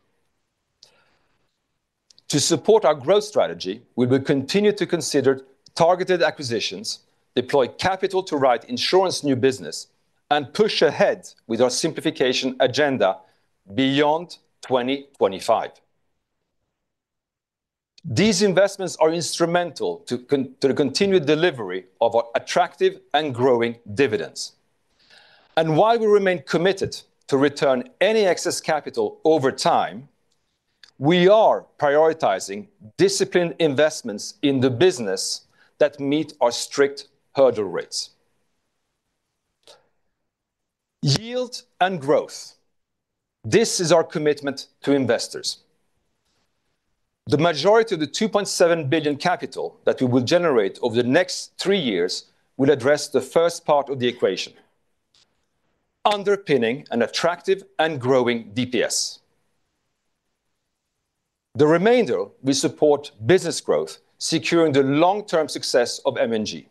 To support our growth strategy, we will continue to consider targeted acquisitions, deploy capital to write insurance new business, and push ahead with our simplification agenda beyond 2025. These investments are instrumental to the continued delivery of our attractive and growing dividends. While we remain committed to return any excess capital over time, we are prioritizing disciplined investments in the business that meet our strict hurdle rates. Yield and growth. This is our commitment to investors. The majority of the 2.7 billion capital that we will generate over the next three years will address the first part of the equation, underpinning an attractive and growing DPS. The remainder, we support business growth, securing the long-term success of M&G.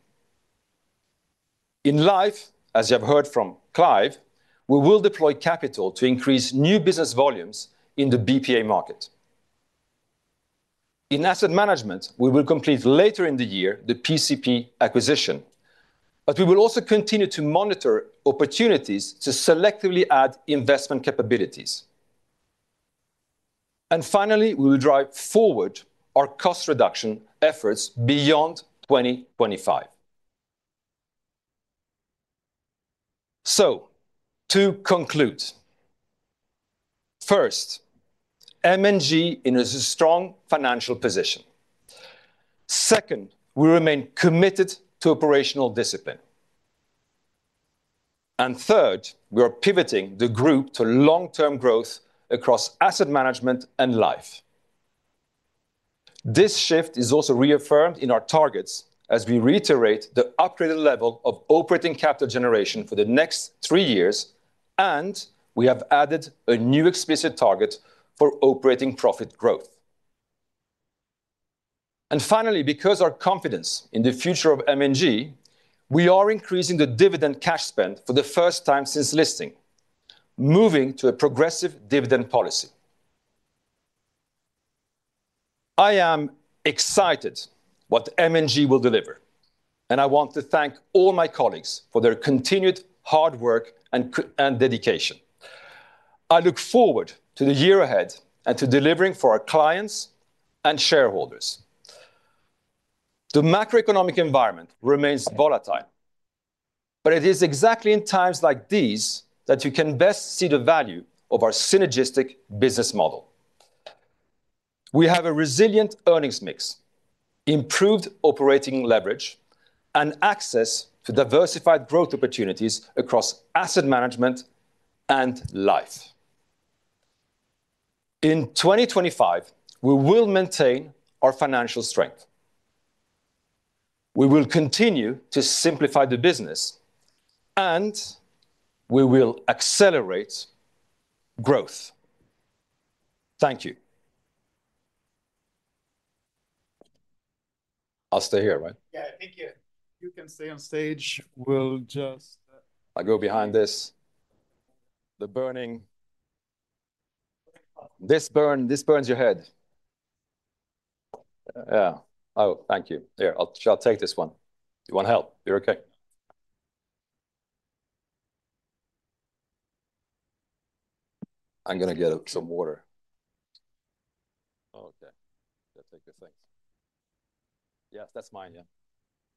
In Life, as you have heard from Clive, we will deploy capital to increase new business volumes in the BPA market. In Asset Management, we will complete later in the year the PCP acquisition, but we will also continue to monitor opportunities to selectively add investment capabilities. Finally, we will drive forward our cost reduction efforts beyond 2025. To conclude, first, M&G is in a strong financial position. Second, we remain committed to operational discipline. Third, we are pivoting the group to long-term growth across Asset Management and Life. This shift is also reaffirmed in our targets as we reiterate the upgraded level of operating capital generation for the next three years, and we have added a new explicit target for operating profit growth. Finally, because of our confidence in the future of M&G, we are increasing the dividend cash spend for the first time since listing, moving to a progressive dividend policy. I am excited about what M&G will deliver, and I want to thank all my colleagues for their continued hard work and dedication. I look forward to the year ahead and to delivering for our clients and shareholders. The macroeconomic environment remains volatile, but it is exactly in times like these that you can best see the value of our synergistic business model. We have a resilient earnings mix, improved operating leverage, and access to diversified growth opportunities across Asset Management and Life. In 2025, we will maintain our financial strength. We will continue to simplify the business, and we will accelerate growth. Thank you. I'll stay here, right? Yeah, thank you. You can stay on stage. We'll just... I go behind this. The burning... This burns your head. Yeah. Oh, thank you. Here, I'll take this one. Do you want to help? You're okay. I'm going to get some water. Okay. Yeah, take your things. Yes, that's mine. Yeah.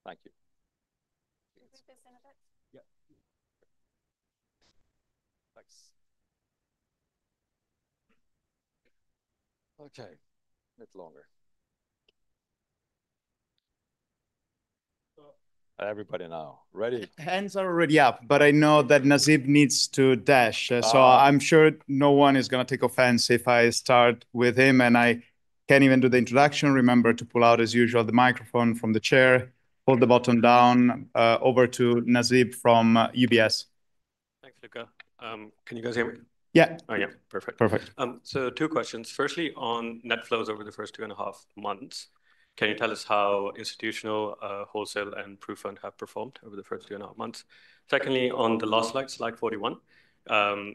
Thank you. Can we move this in a bit? Yeah. Thanks. Okay. A bit longer. Everybody now. Ready? Hands are already up, but I know that Nasib needs to dash, so I'm sure no one is going to take offense if I start with him and I can't even do the introduction. Remember to pull out, as usual, the microphone from the chair, hold the button down, over to Nasib from UBS. Thanks, Luca. Can you guys hear me? Yeah. Oh, yeah. Perfect. Perfect. Two questions. Firstly, on net flows over the first two and a half months, can you tell us how Institutional, Wholesale, and PruFund have performed over the first two and a half months? Secondly, on the loss slides, slide 41,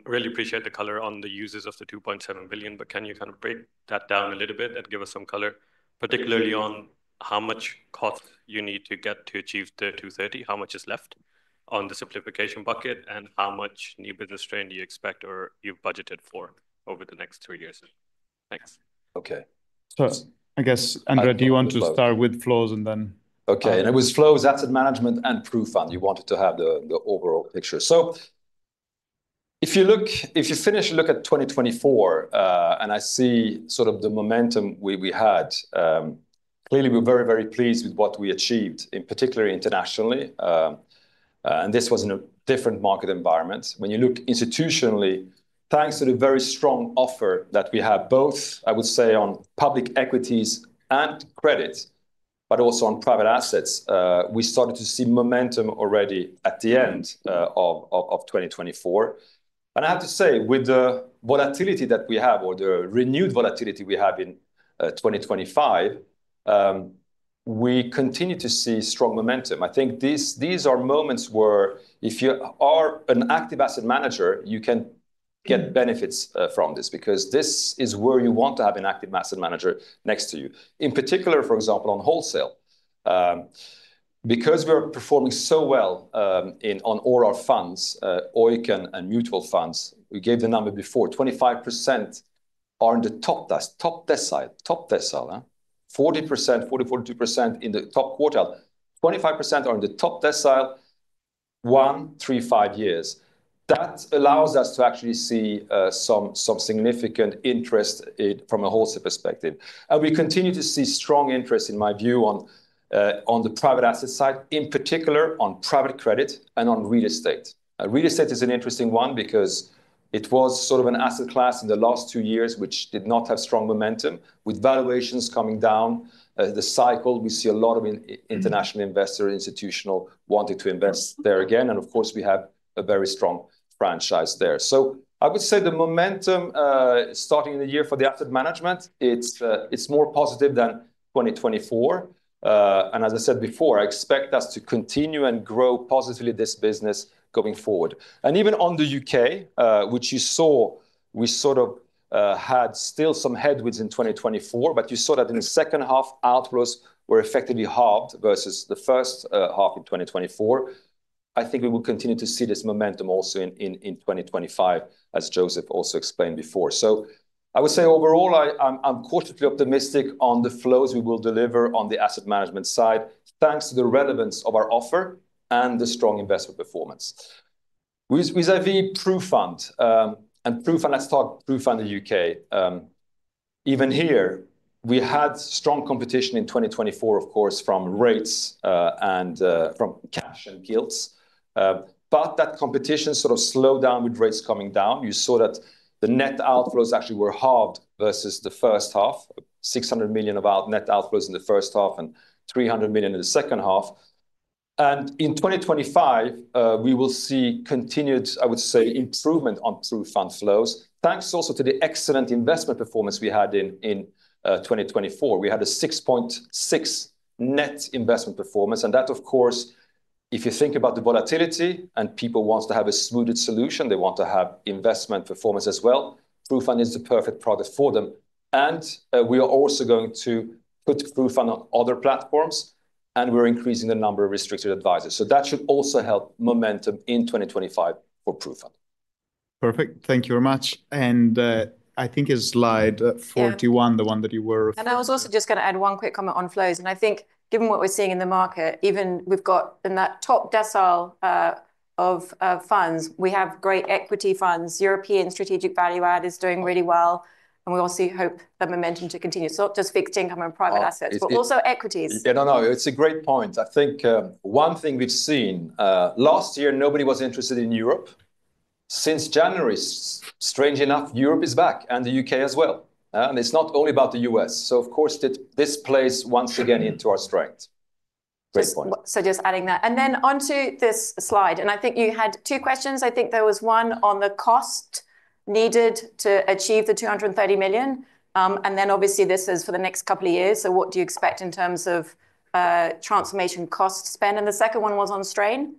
really appreciate the color on the uses of the 2.7 billion, but can you kind of break that down a little bit and give us some color, particularly on how much cost you need to get to achieve the 230 million, how much is left on the simplification bucket, and how much new business strain do you expect or you've budgeted for over the next three years? Thanks. Okay. I guess, Andrea, do you want to start with flows and then... Okay. It was flows, Asset Management, and PruFund. You wanted to have the overall picture. If you look, if you finish, look at 2024, and I see sort of the momentum we had, clearly, we're very, very pleased with what we achieved, in particular internationally. This was in a different market environment. When you look institutionally, thanks to the very strong offer that we have, both, I would say, on public equities and credit, but also on private assets, we started to see momentum already at the end of 2024. I have to say, with the volatility that we have, or the renewed volatility we have in 2025, we continue to see strong momentum. I think these are moments where, if you are an active asset manager, you can get benefits from this because this is where you want to have an active asset manager next to you. In particular, for example, on Wholesale, because we are performing so well on all our funds, OEICs and mutual funds, we gave the number before, 25% are in the top decile, top decile, 40%, 40, 42% in the top quartile, 25% are in the top decile one, three, five years. That allows us to actually see some significant interest from a Wholesale perspective. We continue to see strong interest, in my view, on the private asset side, in particular on private credit and on real estate. Real estate is an interesting one because it was sort of an asset class in the last two years which did not have strong momentum, with valuations coming down. The cycle, we see a lot of international investors and institutional wanting to invest there again. Of course, we have a very strong franchise there. I would say the momentum starting in the year for the Asset Management, it is more positive than 2024. As I said before, I expect us to continue and grow positively this business going forward. Even on the U.K., which you saw, we sort of had still some headwinds in 2024, but you saw that in the second half, outflows were effectively halved versus the first half in 2024. I think we will continue to see this momentum also in 2025, as Joseph also explained before. I would say overall, I'm cautiously optimistic on the flows we will deliver on the Asset Management side, thanks to the relevance of our offer and the strong investment performance. Vis-à-vis PruFund and PruFund, and let's talk PruFund in the U.K. Even here, we had strong competition in 2024, of course, from rates and from cash and gilts. That competition sort of slowed down with rates coming down. You saw that the net outflows actually were halved versus the first half, 600 million of net outflows in the first half and 300 million in the second half. In 2025, we will see continued, I would say, improvement on PruFund flows, thanks also to the excellent investment performance we had in 2024. We had a 6.6% net investment performance. That, of course, if you think about the volatility and people want to have a smoother solution, they want to have investment performance as well, PruFund is the perfect product for them. We are also going to put PruFund on other platforms, and we are increasing the number of restricted advisors. That should also help momentum in 2025 for PruFund. Perfect. Thank you very much. I think it is slide 41, the one that you were. I was also just going to add one quick comment on flows. I think, given what we're seeing in the market, even we've got in that top decile of funds, we have great equity funds. European Strategic Value Fund is doing really well. We also hope the momentum to continue. Not just fixed income and private assets, but also equities. Yeah, no, no, it's a great point. I think one thing we've seen, last year, nobody was interested in Europe. Since January, strangely enough, Europe is back and the U.K. as well. It's not only about the U.S. Of course, this plays once again into our strength. Great point. Just adding that. Then onto this slide, I think you had two questions. I think there was one on the cost needed to achieve the 230 million. Obviously, this is for the next couple of years. What do you expect in terms of transformation cost spend? The second one was on strain.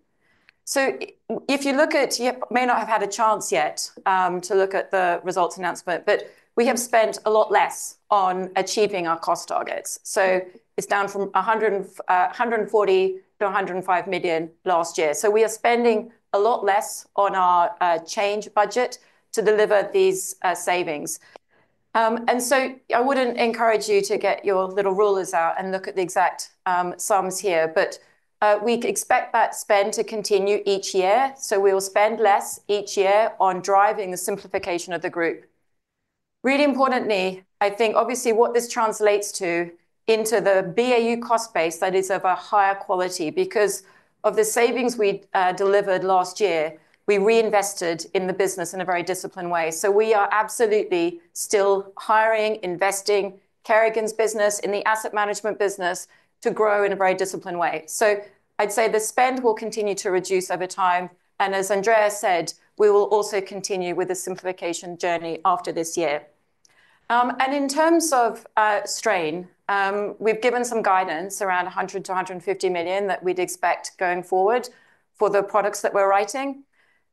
If you look at, you may not have had a chance yet to look at the results announcement, but we have spent a lot less on achieving our cost targets. It is down from 140 million to 105 million last year. We are spending a lot less on our change budget to deliver these savings. I would not encourage you to get your little rulers out and look at the exact sums here, but we expect that spend to continue each year. We will spend less each year on driving the simplification of the group. Really importantly, I think, obviously, what this translates to into the BAU cost base that is of a higher quality because of the savings we delivered last year, we reinvested in the business in a very disciplined way. We are absolutely still hiring, investing Kerrigan's business in the Asset Management business to grow in a very disciplined way. I'd say the spend will continue to reduce over time. As Andrea said, we will also continue with the simplification journey after this year. In terms of strain, we've given some guidance around 100 million-150 million that we'd expect going forward for the products that we're writing.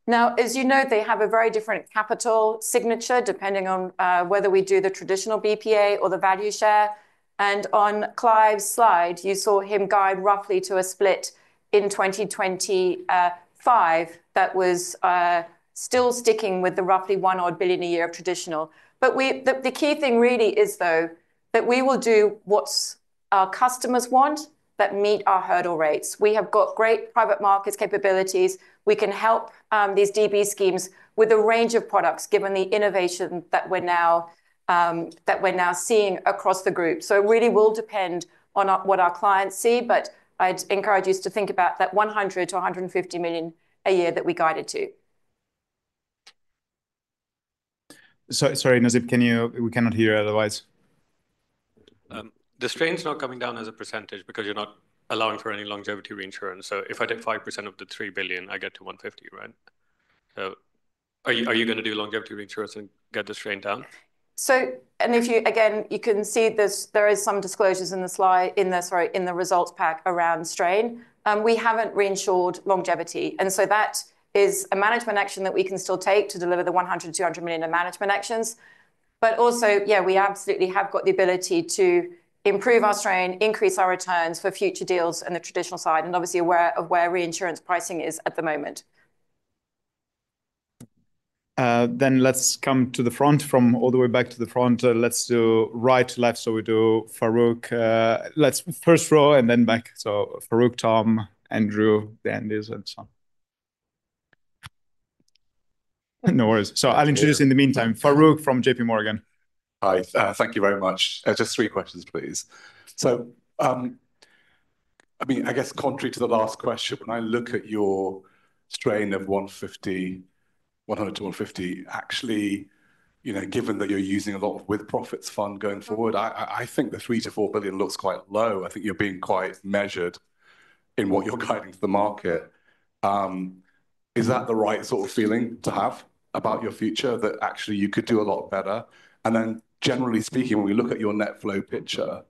Now, as you know, they have a very different capital signature depending on whether we do the traditional BPA or the value share. On Clive's slide, you saw him guide roughly to a split in 2025 that was still sticking with the roughly one-odd billion a year of traditional. The key thing really is, though, that we will do what our customers want that meet our hurdle rates. We have got great private market capabilities. We can help these DB schemes with a range of products given the innovation that we're now seeing across the group. It really will depend on what our clients see, but I'd encourage you to think about that 100 million-150 million a year that we guided to. Sorry, Nasib, can you—we cannot hear you otherwise. The strain's not coming down as a percentage because you're not allowing for any longevity reinsurance. If I did 5% of the 3 billion, I get to 150 million, right? Are you going to do longevity reinsurance and get the strain down? If you—again, you can see there are some disclosures in the slide, sorry, in the results pack around strain. We have not reinsured longevity, and that is a management action that we can still take to deliver the 100 million-200 million in management actions. Also, yeah, we absolutely have got the ability to improve our strain, increase our returns for future deals and the traditional side, and obviously are aware of where reinsurance pricing is at the moment. Let's come to the front from all the way back to the front. Let's do right to left. We do Farooq, first row and then back. Farooq, Tom, Andrew, Dennis, and so on. No worries. I'll introduce in the meantime, Farooq from JP Morgan. Hi. Thank you very much. Just three questions, please. I mean, I guess contrary to the last question, when I look at your strain of 100-150, actually, you know, given that you're using a lot of With-Profits Fund going forward, I think the 3 billion-4 billion looks quite low. I think you're being quite measured in what you're guiding to the market. Is that the right sort of feeling to have about your future that actually you could do a lot better? Generally speaking, when we look at your net flow picture,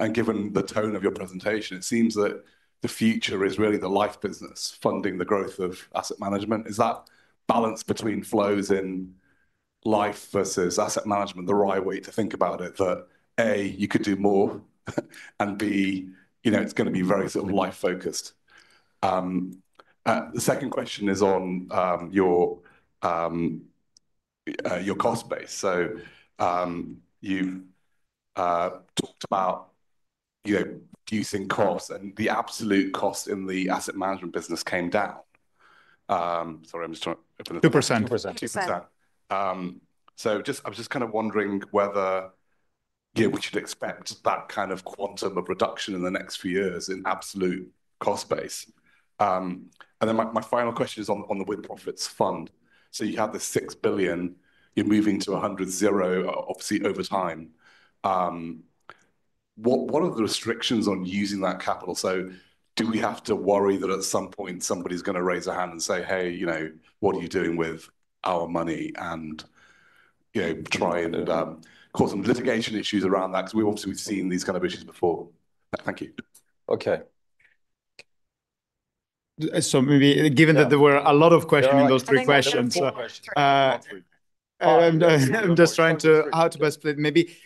and given the tone of your presentation, it seems that the future is really the Life business funding the growth of Asset Management. Is that balance between flows in Life versus Asset Management the right way to think about it, that A, you could do more, and B, you know, it's going to be very sort of Life focused? The second question is on your cost base. You have talked about, you know, reducing costs, and the absolute cost in the Asset Management business came down. Sorry, I am just trying to open the floor. 2%. 2%. I was just kind of wondering whether, you know, we should expect that kind of quantum of reduction in the next few years in absolute cost base. My final question is on the With-Profits Fund. You have this 6 billion, you are moving to 100:0, obviously over time. What are the restrictions on using that capital? Do we have to worry that at some point somebody is going to raise their hand and say, "Hey, you know, what are you doing with our money?" and, you know, try and cause some litigation issues around that because we have obviously seen these kind of issues before. Thank you. Okay. Maybe given that there were a lot of questions in those three questions. I'm just trying to how to best split maybe.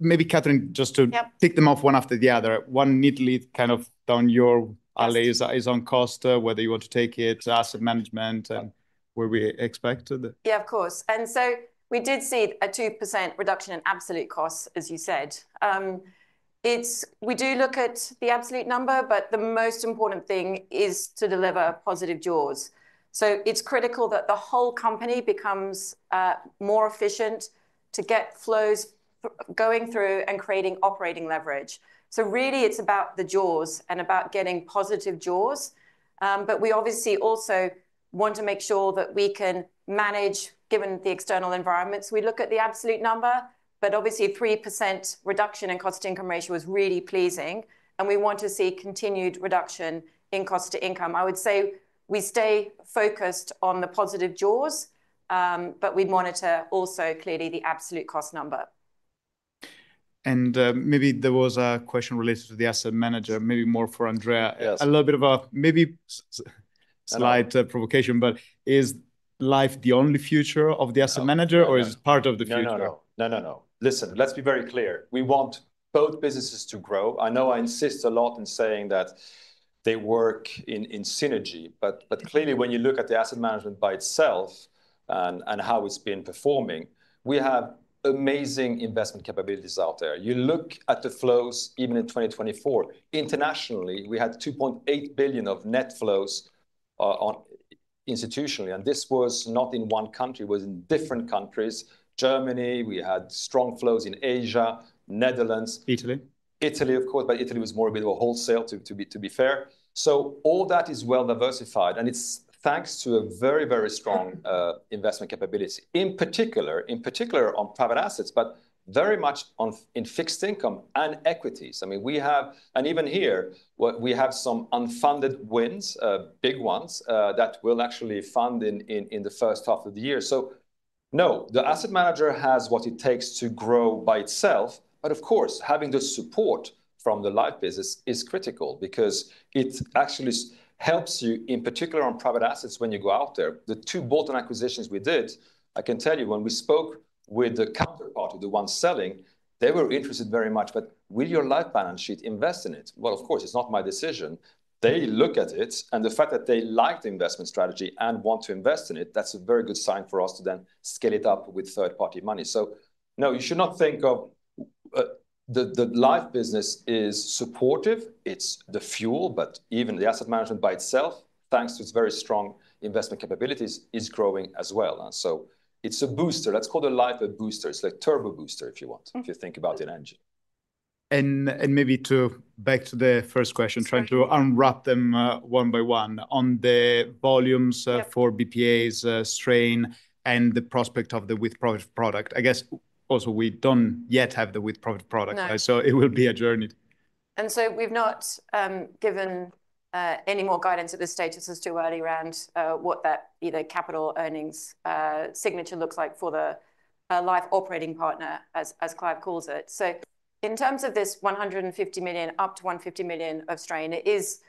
Maybe Kathryn, just to pick them off one after the other, one neatly kind of down your alley is on cost, whether you want to take it to Asset Management and where we expected. Yeah, of course. We did see a 2% reduction in absolute costs, as you said. We do look at the absolute number, but the most important thing is to deliver positive jaws. It's critical that the whole company becomes more efficient to get flows going through and creating operating leverage. It's about the jaws and about getting positive jaws. We obviously also want to make sure that we can manage, given the external environments. We look at the absolute number, but obviously, 3% reduction in cost income ratio was really pleasing. We want to see continued reduction in cost-to-income. I would say we stay focused on the positive jaws, but we monitor also clearly the absolute cost number. Maybe there was a question related to the asset manager, maybe more for Andrea. A little bit of a maybe slight provocation, but is Life the only future of the asset manager, or is it part of the future? No, no, no, no. Listen, let's be very clear. We want both businesses to grow. I know I insist a lot in saying that they work in synergy, but clearly, when you look at the Asset Management by itself and how it's been performing, we have amazing investment capabilities out there. You look at the flows, even in 2024, internationally, we had 2.8 billion of net flows institutionally. This was not in one country, it was in different countries. Germany, we had strong flows in Asia, Netherlands. Italy. Italy, of course, but Italy was more a bit of a Wholesale, to be fair. All that is well diversified. It is thanks to a very, very strong investment capability, in particular, in particular on private assets, but very much in fixed income and equities. I mean, we have, and even here, we have some unfunded wins, big ones that will actually fund in the first half of the year. The asset manager has what it takes to grow by itself. Of course, having the support from the Life business is critical because it actually helps you, in particular on private assets when you go out there. The two bolt-on acquisitions we did, I can tell you, when we spoke with the counterparty, the one selling, they were interested very much, but will your Life balance sheet invest in it? Of course, it's not my decision. They look at it, and the fact that they like the investment strategy and want to invest in it, that's a very good sign for us to then scale it up with third-party money. No, you should not think of the Life business as supportive. It's the fuel, but even the Asset Management by itself, thanks to its very strong investment capabilities, is growing as well. It's a booster. Let's call the Life a booster. It's like a turbo booster, if you want, if you think about it in an engine. Maybe to go back to the first question, trying to unwrap them one by one on the volumes for BPA strain and the prospect of the With-Profit product. I guess also we do not yet have the With-Profit product. It will be a journey. We have not given any more guidance at this stage as to early round what that either capital earnings signature looks like for the Life Operating Partner, as Clive calls it. In terms of this 150 million, up to 150 million of strain, it is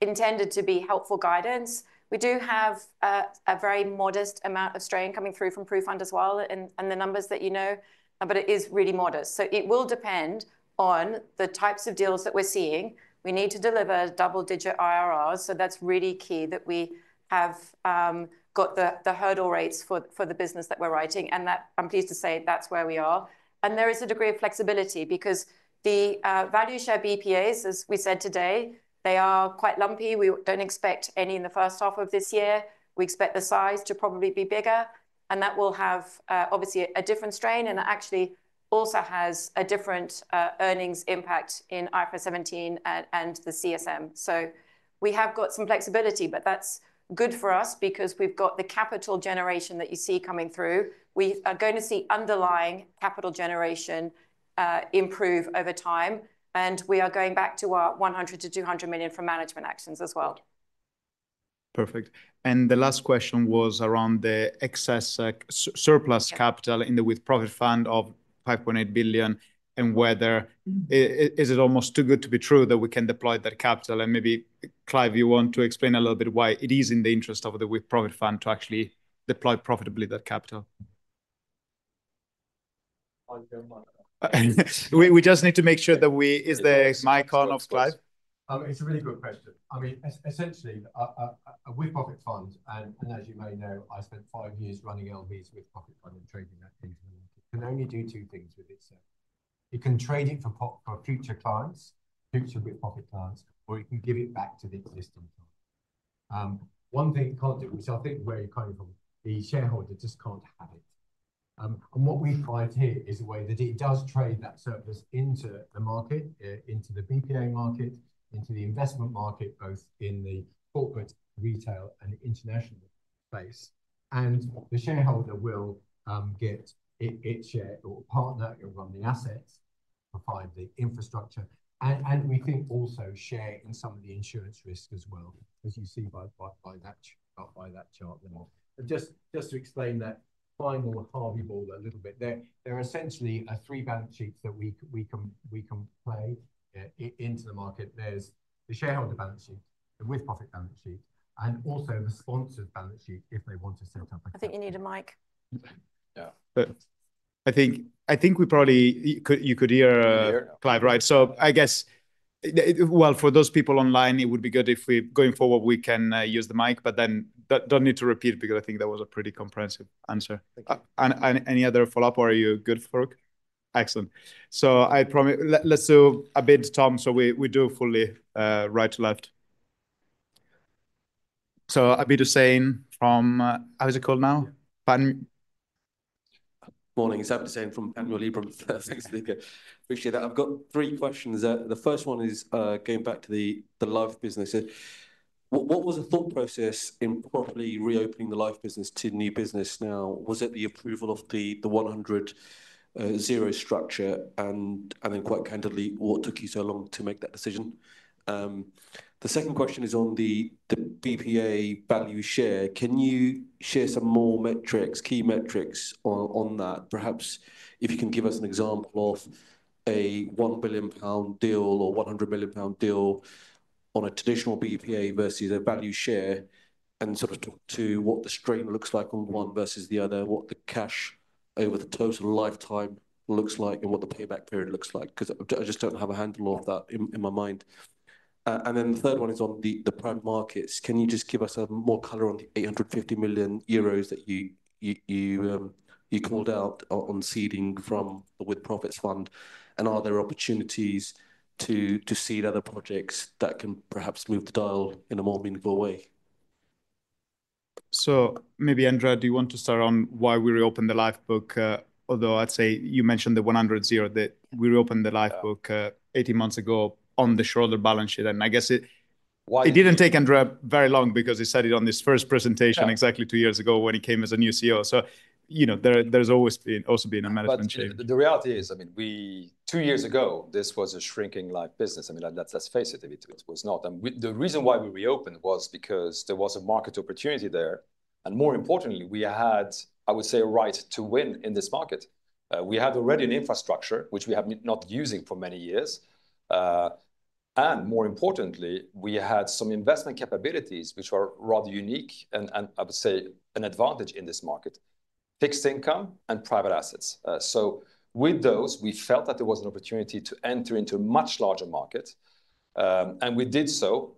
intended to be helpful guidance. We do have a very modest amount of strain coming through from PruFund as well and the numbers that you know, but it is really modest. It will depend on the types of deals that we are seeing. We need to deliver double-digit IRRs. That is really key that we have got the hurdle rates for the business that we are writing. I am pleased to say that is where we are. There is a degree of flexibility because the Value Share BPAs, as we said today, are quite lumpy. We do not expect any in the first half of this year. We expect the size to probably be bigger. That will obviously have a different strain. It actually also has a different earnings impact in IFRS 17 and the CSM. We have got some flexibility, but that is good for us because we have got the capital generation that you see coming through. We are going to see underlying capital generation improve over time. We are going back to our 100 million-200 million from management actions as well. Perfect. The last question was around the excess surplus capital in the With-Profits Fund of 5.8 billion and whether is it almost too good to be true that we can deploy that capital. Maybe Clive, you want to explain a little bit why it is in the interest of the With-Profits Fund to actually deploy profitably that capital. We just need to make sure that we—is the mic on for Clive? It's a really good question. I mean, essentially, a With-Profits Fund, and as you may know, I spent five years running LVFS With-Profits Fund and trading that into the market. It can only do two things with itself. It can trade it for future clients, future with profit clients, or it can give it back to the existing client. One thing it can't do, which I think where you're coming from, the shareholder just can't have it. What we find here is a way that it does trade that surplus into the market, into the BPA market, into the investment market, both in the corporate, retail, and international space. The shareholder will get its share or partner and run the assets to provide the infrastructure. We think also share in some of the insurance risk as well, as you see by that chart there. Just to explain that final Harvey ball a little bit, there are essentially three balance sheets that we can play into the market. There's the shareholder balance sheet, the With-Profit balance sheet, and also the sponsor's balance sheet if they want to set up a client. I think you need a mic. Yeah, but I think we probably, you could hear Clive, right? I guess, for those people online, it would be good if we, going forward, can use the mic. You do not need to repeat it because I think that was a pretty comprehensive answer. Thank you. Any other follow-up? Are you good, Farooq? Excellent. I promise. Let's do a bit of Tom. We do fully right to left. Abid Hussain from, how is it called now? Morning. It is Abid Hussain from Panmure Liberum. First, thank you. Appreciate that. I have got three questions. The first one is going back to the Life business. What was the thought process in properly reopening the Life business to new business now? Was it the approval of the 100:0 structure? Quite candidly, what took you so long to make that decision? The second question is on the BPA value share. Can you share some more metrics, key metrics on that? Perhaps if you can give us an example of a 1 billion pound deal or 100 million pound deal on a traditional BPA versus a value share and sort of talk to what the strain looks like on one versus the other, what the cash over the total Lifetime looks like and what the payback period looks like because I just do not have a handle on that in my mind. The third one is on the private markets. Can you just give us more color on the 850 million euros that you called out on seeding from the With-Profits Fund? Are there opportunities to seed other projects that can perhaps move the dial in a more meaningful way? Maybe Andrew, do you want to start on why we reopened the Life book? Although I'd say you mentioned the 100:0, that we reopened the Life book 18 months ago on the shorter balance sheet. I guess it did not take Andrew very long because he said it on his first presentation exactly two years ago when he came as a new CEO. You know, there's also been a management change. The reality is, I mean, two years ago, this was a shrinking Life business. I mean, let's face it. Was not. The reason why we reopened was because there was a market opportunity there. More importantly, we had, I would say, a right to win in this market. We had already an infrastructure, which we have not been using for many years. More importantly, we had some investment capabilities, which are rather unique and, I would say, an advantage in this market, fixed income and private assets. With those, we felt that there was an opportunity to enter into a much larger market. We did so.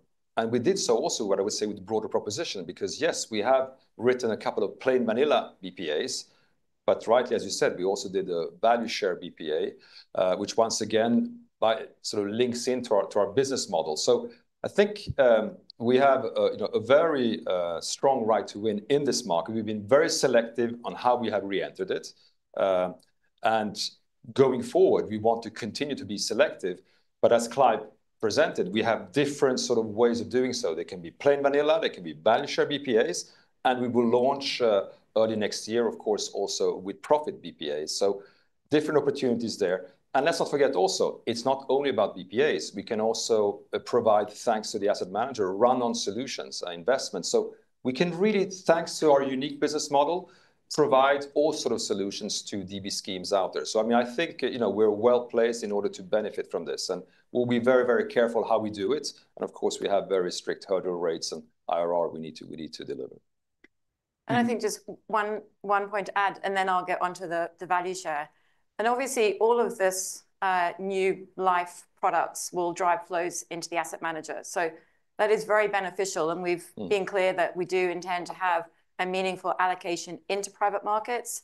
We did so also, what I would say, with a broader proposition because, yes, we have written a couple of plain vanilla BPAs. Rightly, as you said, we also did a Value Share BPA, which once again sort of links into our business model. I think we have a very strong right to win in this market. We have been very selective on how we have reentered it. Going forward, we want to continue to be selective. As Clive presented, we have different sort of ways of doing so. They can be plain vanilla. They can be Value Share BPAs. We will launch early next year, of course, also with profit BPAs. Different opportunities there. Let's not forget also, it's not only about BPAs. We can also provide, thanks to the asset manager, run-on solutions and investments. We can really, thanks to our unique business model, provide all sorts of solutions to DB schemes out there. I mean, I think, you know, we're well placed in order to benefit from this. We'll be very, very careful how we do it. Of course, we have very strict hurdle rates and IRR we need to deliver. I think just one point to add, then I'll get on to the value share. Obviously, all of this new Life products will drive flows into the asset manager. That is very beneficial. We have been clear that we do intend to have a meaningful allocation into private markets.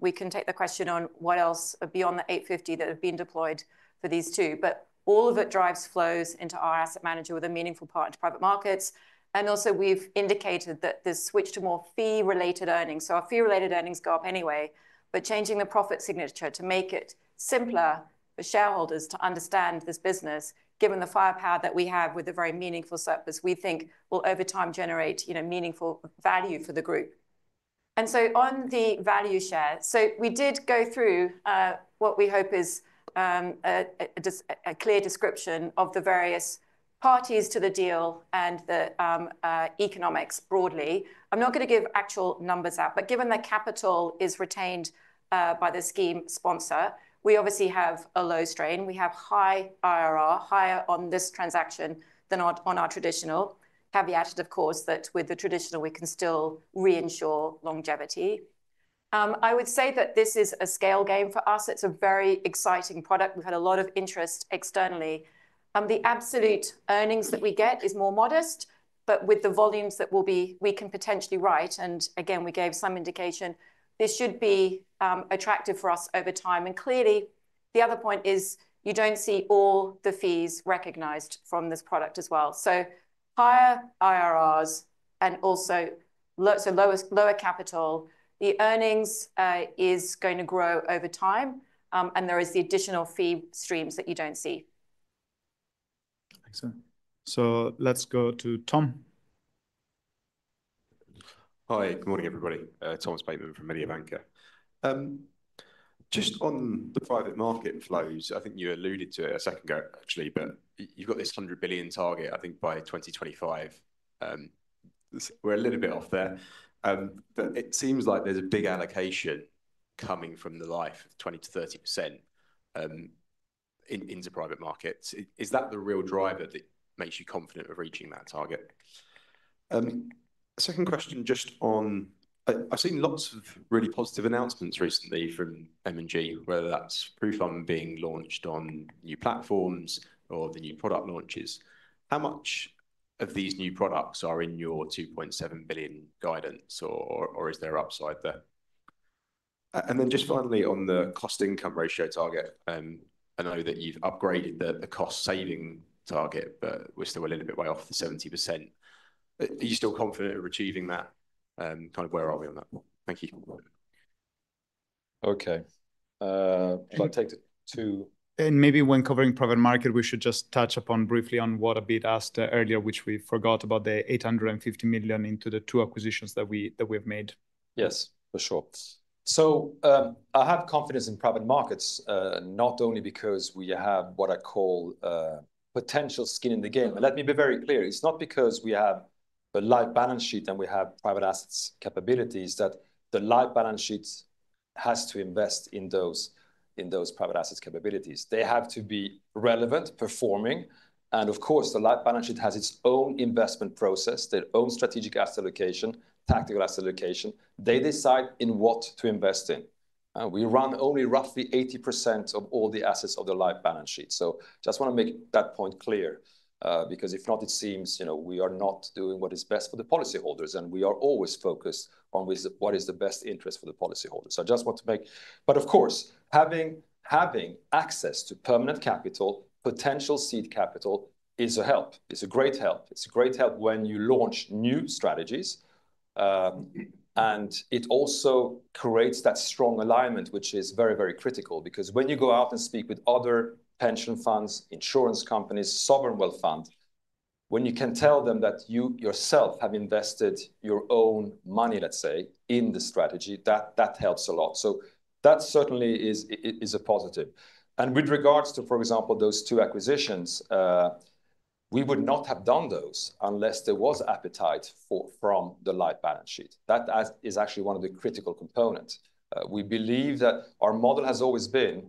We can take the question on what else beyond the 850 that have been deployed for these two. All of it drives flows into our asset manager with a meaningful part into private markets. We have also indicated that there is a switch to more fee-related earnings. Our fee-related earnings go up anyway. Changing the profit signature to make it simpler for shareholders to understand this business, given the firepower that we have with a very meaningful surplus, we think will over time generate meaningful value for the group. On the value share, we did go through what we hope is a clear description of the various parties to the deal and the economics broadly. I'm not going to give actual numbers out, but given the capital is retained by the scheme sponsor, we obviously have a low strain. We have high IRR, higher on this transaction than on our traditional. Caveat, of course, that with the traditional, we can still reinsure longevity. I would say that this is a scale game for us. It's a very exciting product. We've had a lot of interest externally. The absolute earnings that we get is more modest, but with the volumes that we can potentially write. We gave some indication. This should be attractive for us over time. Clearly, the other point is you don't see all the fees recognized from this product as well. Higher IRRs and also lower capital, the earnings is going to grow over time. There are the additional fee streams that you don't see. Excellent. Let's go to Tom. Hi, good morning, everybody. Thomas Bateman from Mediobanca. Just on the private market and flows, I think you alluded to it a second ago, actually, but you've got this 100 billion target, I think, by 2025. We're a little bit off there. It seems like there's a big allocation coming from the Life of 20-30% into private markets. Is that the real driver that makes you confident of reaching that target? Second question, just on, I've seen lots of really positive announcements recently from M&G, whether that's PruFund being launched on new platforms or the new product launches. How much of these new products are in your 2.7 billion guidance, or is there upside there? Just finally on the cost income ratio target, I know that you've upgraded the cost saving target, but we're still a little bit way off the 70%. Are you still confident of achieving that? Kind of where are we on that? Thank you. Okay. Shall I take it too? Maybe when covering private market, we should just touch upon briefly what Abid asked earlier, which we forgot about, the 850 million into the two acquisitions that we have made. Yes, for sure. I have confidence in private markets, not only because we have what I call potential skin in the game. Let me be very clear. It's not because we have a live balance sheet and we have private assets capabilities that the live balance sheet has to invest in those private assets capabilities. They have to be relevant, performing. Of course, the live balance sheet has its own investment process, their own strategic asset allocation, tactical asset allocation. They decide in what to invest in. We run only roughly 80% of all the assets of the live balance sheet. I just want to make that point clear because if not, it seems we are not doing what is best for the policyholders. We are always focused on what is the best interest for the policyholders. I just want to make, of course, having access to permanent capital, potential seed capital is a help. It is a great help. It is a great help when you launch new strategies. It also creates that strong alignment, which is very, very critical because when you go out and speak with other pension funds, insurance companies, sovereign wealth funds, when you can tell them that you yourself have invested your own money, let's say, in the strategy, that helps a lot. That certainly is a positive. With regards to, for example, those two acquisitions, we would not have done those unless there was appetite from the live balance sheet. That is actually one of the critical components. We believe that our model has always been,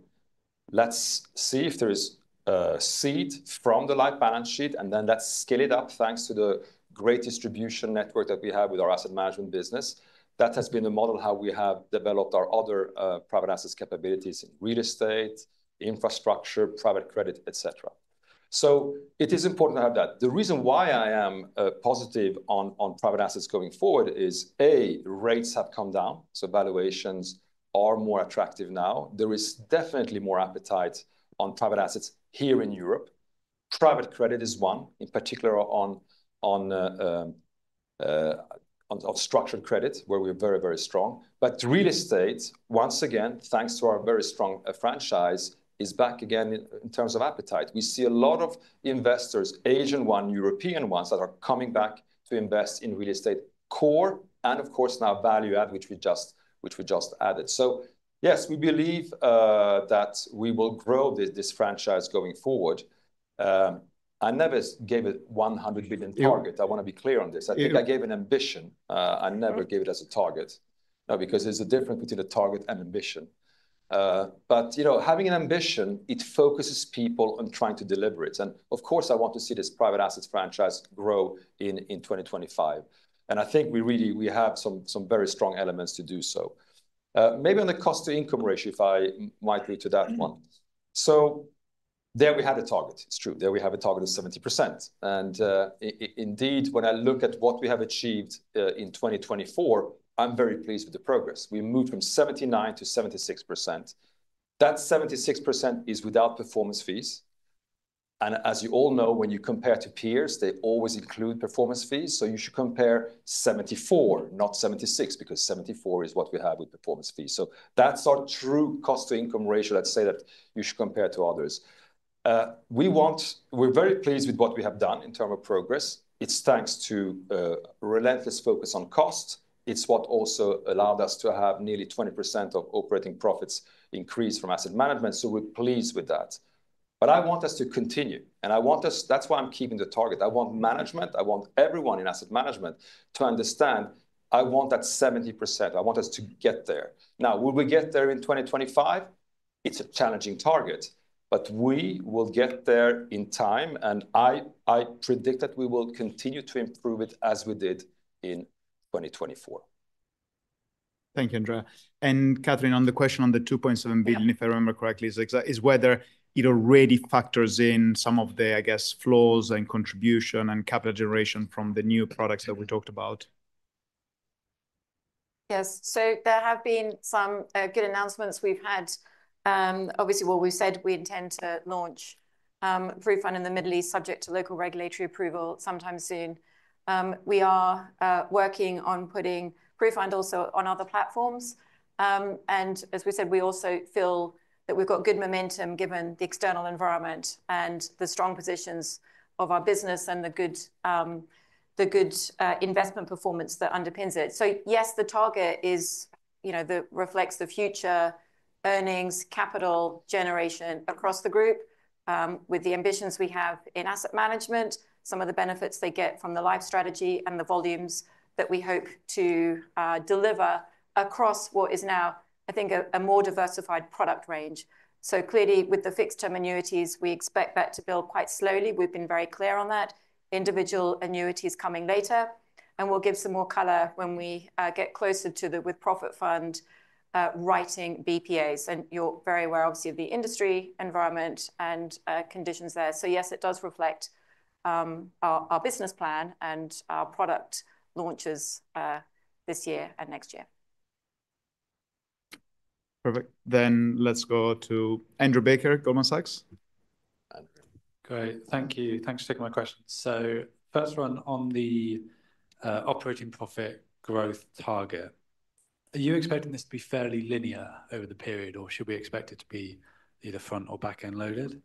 let's see if there is a seed from the live balance sheet and then let's scale it up thanks to the great distribution network that we have with our Asset Management business. That has been the model how we have developed our other private assets capabilities in real estate, infrastructure, private credit, etc. It is important to have that. The reason why I am positive on private assets going forward is, A, rates have come down. Valuations are more attractive now. There is definitely more appetite on private assets here in Europe. Private credit is one, in particular on structured credit, where we are very, very strong. Real estate, once again, thanks to our very strong franchise, is back again in terms of appetite. We see a lot of investors, Asian ones, European ones that are coming back to invest in real estate core and, of course, now value add, which we just added. Yes, we believe that we will grow this franchise going forward. I never gave it a 100 billion target. I want to be clear on this. I think I gave an ambition. I never gave it as a target. No, because there's a difference between a target and ambition. But, you know, having an ambition, it focuses people on trying to deliver it. And of course, I want to see this private assets franchise grow in 2025. And I think we really, we have some very strong elements to do so. Maybe on the cost-to-income ratio, if I might reach to that one. So, there we had a target. It's true. There we have a target of 70%. And indeed, when I look at what we have achieved in 2024, I'm very pleased with the progress. We moved from 79% -76%. That 76% is without performance fees. And as you all know, when you compare to peers, they always include performance fees. So, you should compare 74%, not 76%, because 74% is what we have with performance fees. So, that's our true cost-to-income ratio. Let's say that you should compare to others. We want, we're very pleased with what we have done in terms of progress. It's thanks to relentless focus on cost. It's what also allowed us to have nearly 20% of operating profits increase from Asset Management. We're pleased with that. I want us to continue. I want us, that's why I'm keeping the target. I want management, I want everyone in Asset Management to understand, I want that 70%. I want us to get there. Now, will we get there in 2025? It's a challenging target, but we will get there in time. I predict that we will continue to improve it as we did in 2024. Thank you, Andrea. Kathryn, on the question on the 2.7 billion, if I remember correctly, is whether it already factors in some of the, I guess, flaws and contribution and capital generation from the new products that we talked about? Yes. There have been some good announcements we've had. Obviously, what we've said, we intend to launch PruFund in the Middle East, subject to local regulatory approval sometime soon. We are working on putting PruFund also on other platforms. As we said, we also feel that we've got good momentum given the external environment and the strong positions of our business and the good investment performance that underpins it. Yes, the target is, you know, that reflects the future earnings, capital generation across the group with the ambitions we have in Asset Management, some of the benefits they get from the Life strategy and the volumes that we hope to deliver across what is now, I think, a more diversified product range. Clearly, with the fixed-term annuities, we expect that to build quite slowly. We've been very clear on that. Individual annuities coming later. We'll give some more color when we get closer to the With-Profits Fund writing BPAs. You're very aware, obviously, of the industry environment and conditions there. Yes, it does reflect our business plan and our product launches this year and next year. Perfect. Let's go to Andrew Baker, Goldman Sachs. Great. Thank you. Thanks for taking my question. First one on the operating profit growth target. Are you expecting this to be fairly linear over the period, or should we expect it to be either front or back end loaded?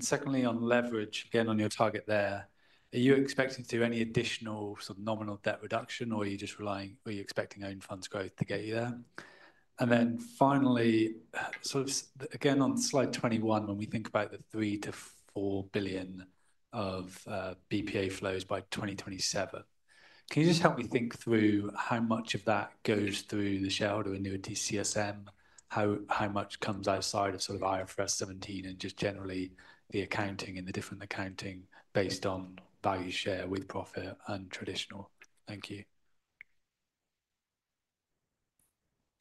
Secondly, on leverage, again, on your target there, are you expecting to do any additional sort of nominal debt reduction, or are you just relying, or are you expecting Own Funds growth to get you there? Finally, sort of again on slide 21, when we think about the three to four billion of BPA flows by 2027, can you just help me think through how much of that goes through the shareholder annuity CSM? How much comes outside of sort of IFRS 17 and just generally the accounting and the different accounting based on value share with profit and traditional? Thank you.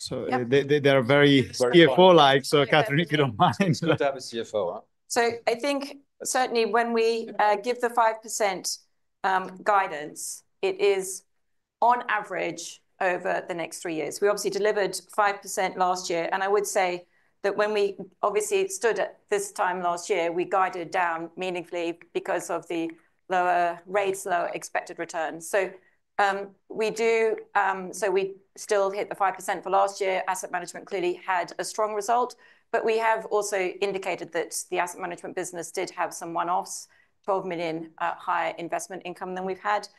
They're very CFO-like. Kathryn, if you do not mind. You do not have a CFO, huh? I think certainly when we give the 5% guidance, it is on average over the next three years. We obviously delivered 5% last year. I would say that when we obviously stood at this time last year, we guided down meaningfully because of the lower rates, lower expected returns. We do, we still hit the 5% for last year. Asset management clearly had a strong result, but we have also indicated that the Asset Management business did have some one-offs, 12 million higher investment income than we've had.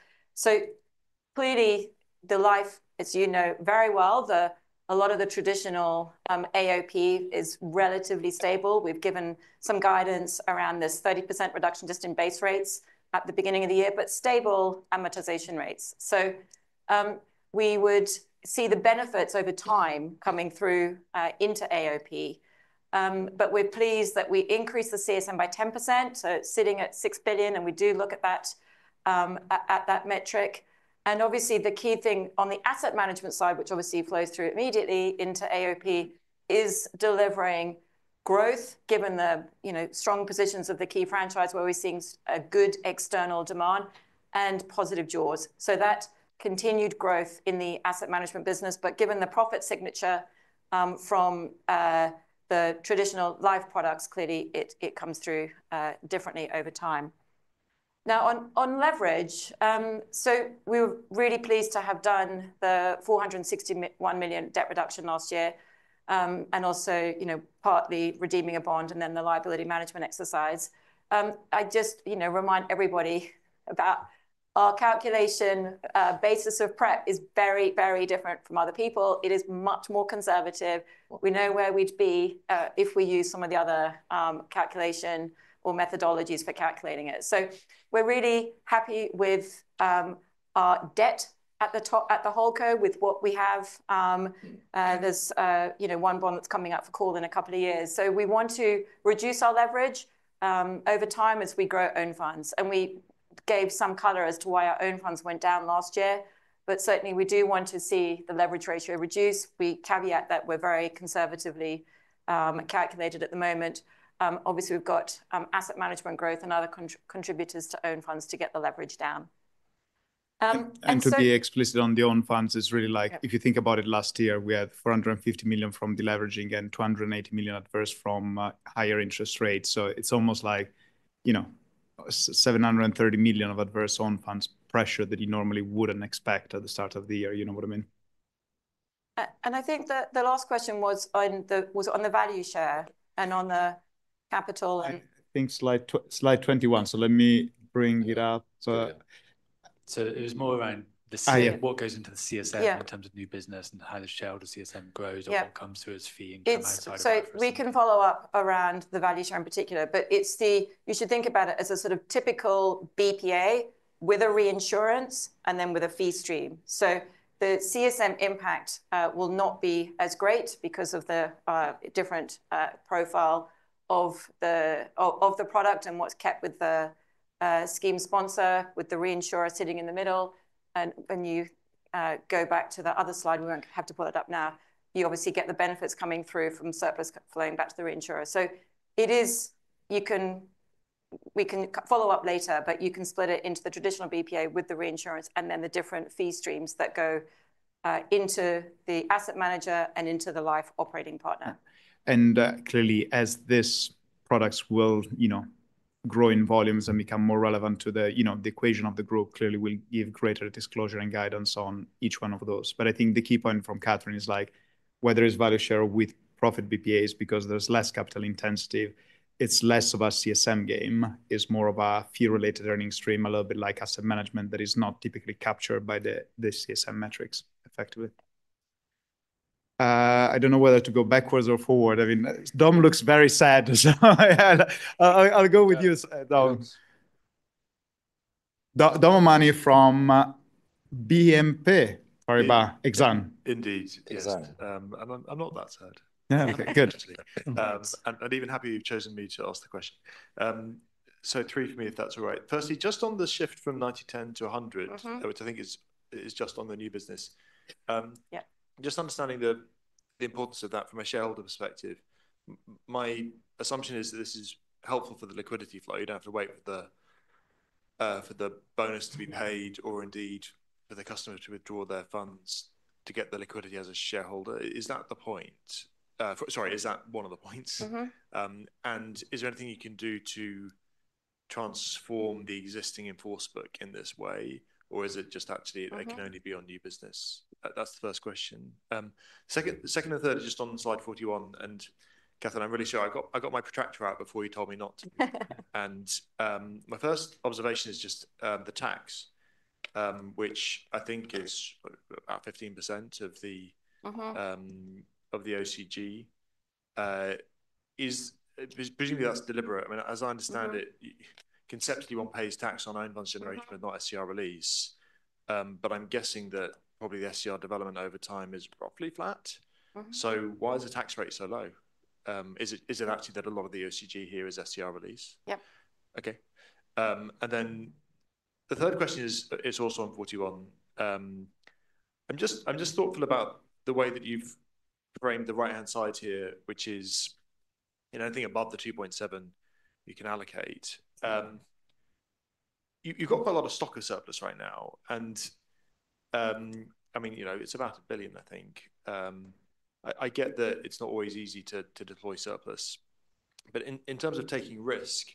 Clearly, the Life, as you know very well, a lot of the traditional AOP is relatively stable. We've given some guidance around this 30% reduction just in base rates at the beginning of the year, but stable amortization rates. We would see the benefits over time coming through into AOP. We're pleased that we increased the CSM by 10%. It's sitting at 6 billion, and we do look at that metric. Obviously, the key thing on the Asset Management side, which flows through immediately into AOP, is delivering growth given the strong positions of the key franchise where we're seeing good external demand and positive jaws. That continued growth in the Asset Management business. Given the profit signature from the traditional Life products, clearly, it comes through differently over time. Now, on leverage, we were really pleased to have done the 461 million debt reduction last year and also, you know, partly redeeming a bond and then the liability management exercise. I just, you know, remind everybody about our calculation basis of debt is very, very different from other people. It is much more conservative. We know where we'd be if we use some of the other calculation or methodologies for calculating it. We're really happy with our debt at the top at the HoldCo with what we have. There's, you know, one bond that's coming up for call in a couple of years. We want to reduce our leverage over time as we grow Own Funds. We gave some color as to why our Own Funds went down last year. Certainly, we do want to see the leverage ratio reduce. We caveat that we're very conservatively calculated at the moment. Obviously, we've got Asset Management growth and other contributors to Own Funds to get the leverage down. To be explicit on the Own Funds, it's really like, if you think about it, last year, we had 450 million from deleveraging and 280 million at first from higher interest rates. It's almost like, you know, 730 million of adverse Own Funds pressure that you normally wouldn't expect at the start of the year. You know what I mean? I think that the last question was on the value share and on the capital. I think slide 21. Let me bring it up. It was more around the CSM, what goes into the CSM in terms of new business and how the shareholder CSM grows or what comes through as fee and. We can follow up around the value share in particular, but you should think about it as a sort of typical BPA with a reinsurance and then with a fee stream. The CSM impact will not be as great because of the different profile of the product and what is kept with the scheme sponsor, with the reinsurer sitting in the middle. When you go back to the other slide, we will not have to pull it up now. You obviously get the benefits coming through from surplus flowing back to the reinsurer. We can follow up later, but you can split it into the traditional BPA with the reinsurance and then the different fee streams that go into the asset manager and into the Life operating partner. Clearly, as this product will, you know, grow in volumes and become more relevant to the, you know, the equation of the group, clearly will give greater disclosure and guidance on each one of those. I think the key point from Kathryn is like where there is value share with profit BPAs because there's less capital intensity, it's less of a CSM game, it's more of a fee-related earning stream, a little bit like Asset Management that is not typically captured by the CSM metrics effectively. I don't know whether to go backwards or forward. I mean, Dom looks very sad. I'll go with you, Dom. Dominic O'Mahony from BNP Paribas Exane. Indeed, Exane. I'm not that sad. Yeah, okay, good. I'm even happy you've chosen me to ask the question. Three for me, if that's all right. Firstly, just on the shift from 90-10 to 100, which I think is just on the new business. Yeah. Just understanding the importance of that from a shareholder perspective, my assumption is that this is helpful for the liquidity flow. You do not have to wait for the bonus to be paid or indeed for the customer to withdraw their funds to get the liquidity as a shareholder. Is that the point? Sorry, is that one of the points? Is there anything you can do to transform the existing in-force book in this way? Or is it just actually it can only be on new business? That is the first question. Second and third is just on slide 41. And Kathryn, I am really sure I got my protractor out before you told me not to. My first observation is just the tax, which I think is about 15% of the OCG. Presumably, that's deliberate. I mean, as I understand it, conceptually, one pays tax on Own Funds generation, but not SCR release. I'm guessing that probably the SCR development over time is roughly flat. Why is the tax rate so low? Is it actually that a lot of the OCG here is SCR release? Yep. The third question is also on 41. I'm just thoughtful about the way that you've framed the right-hand side here, which is, you know, I think above the 2.7, you can allocate. You've got quite a lot of stock of surplus right now. I mean, you know, it's about 1 billion, I think. I get that it's not always easy to deploy surplus. In terms of taking risk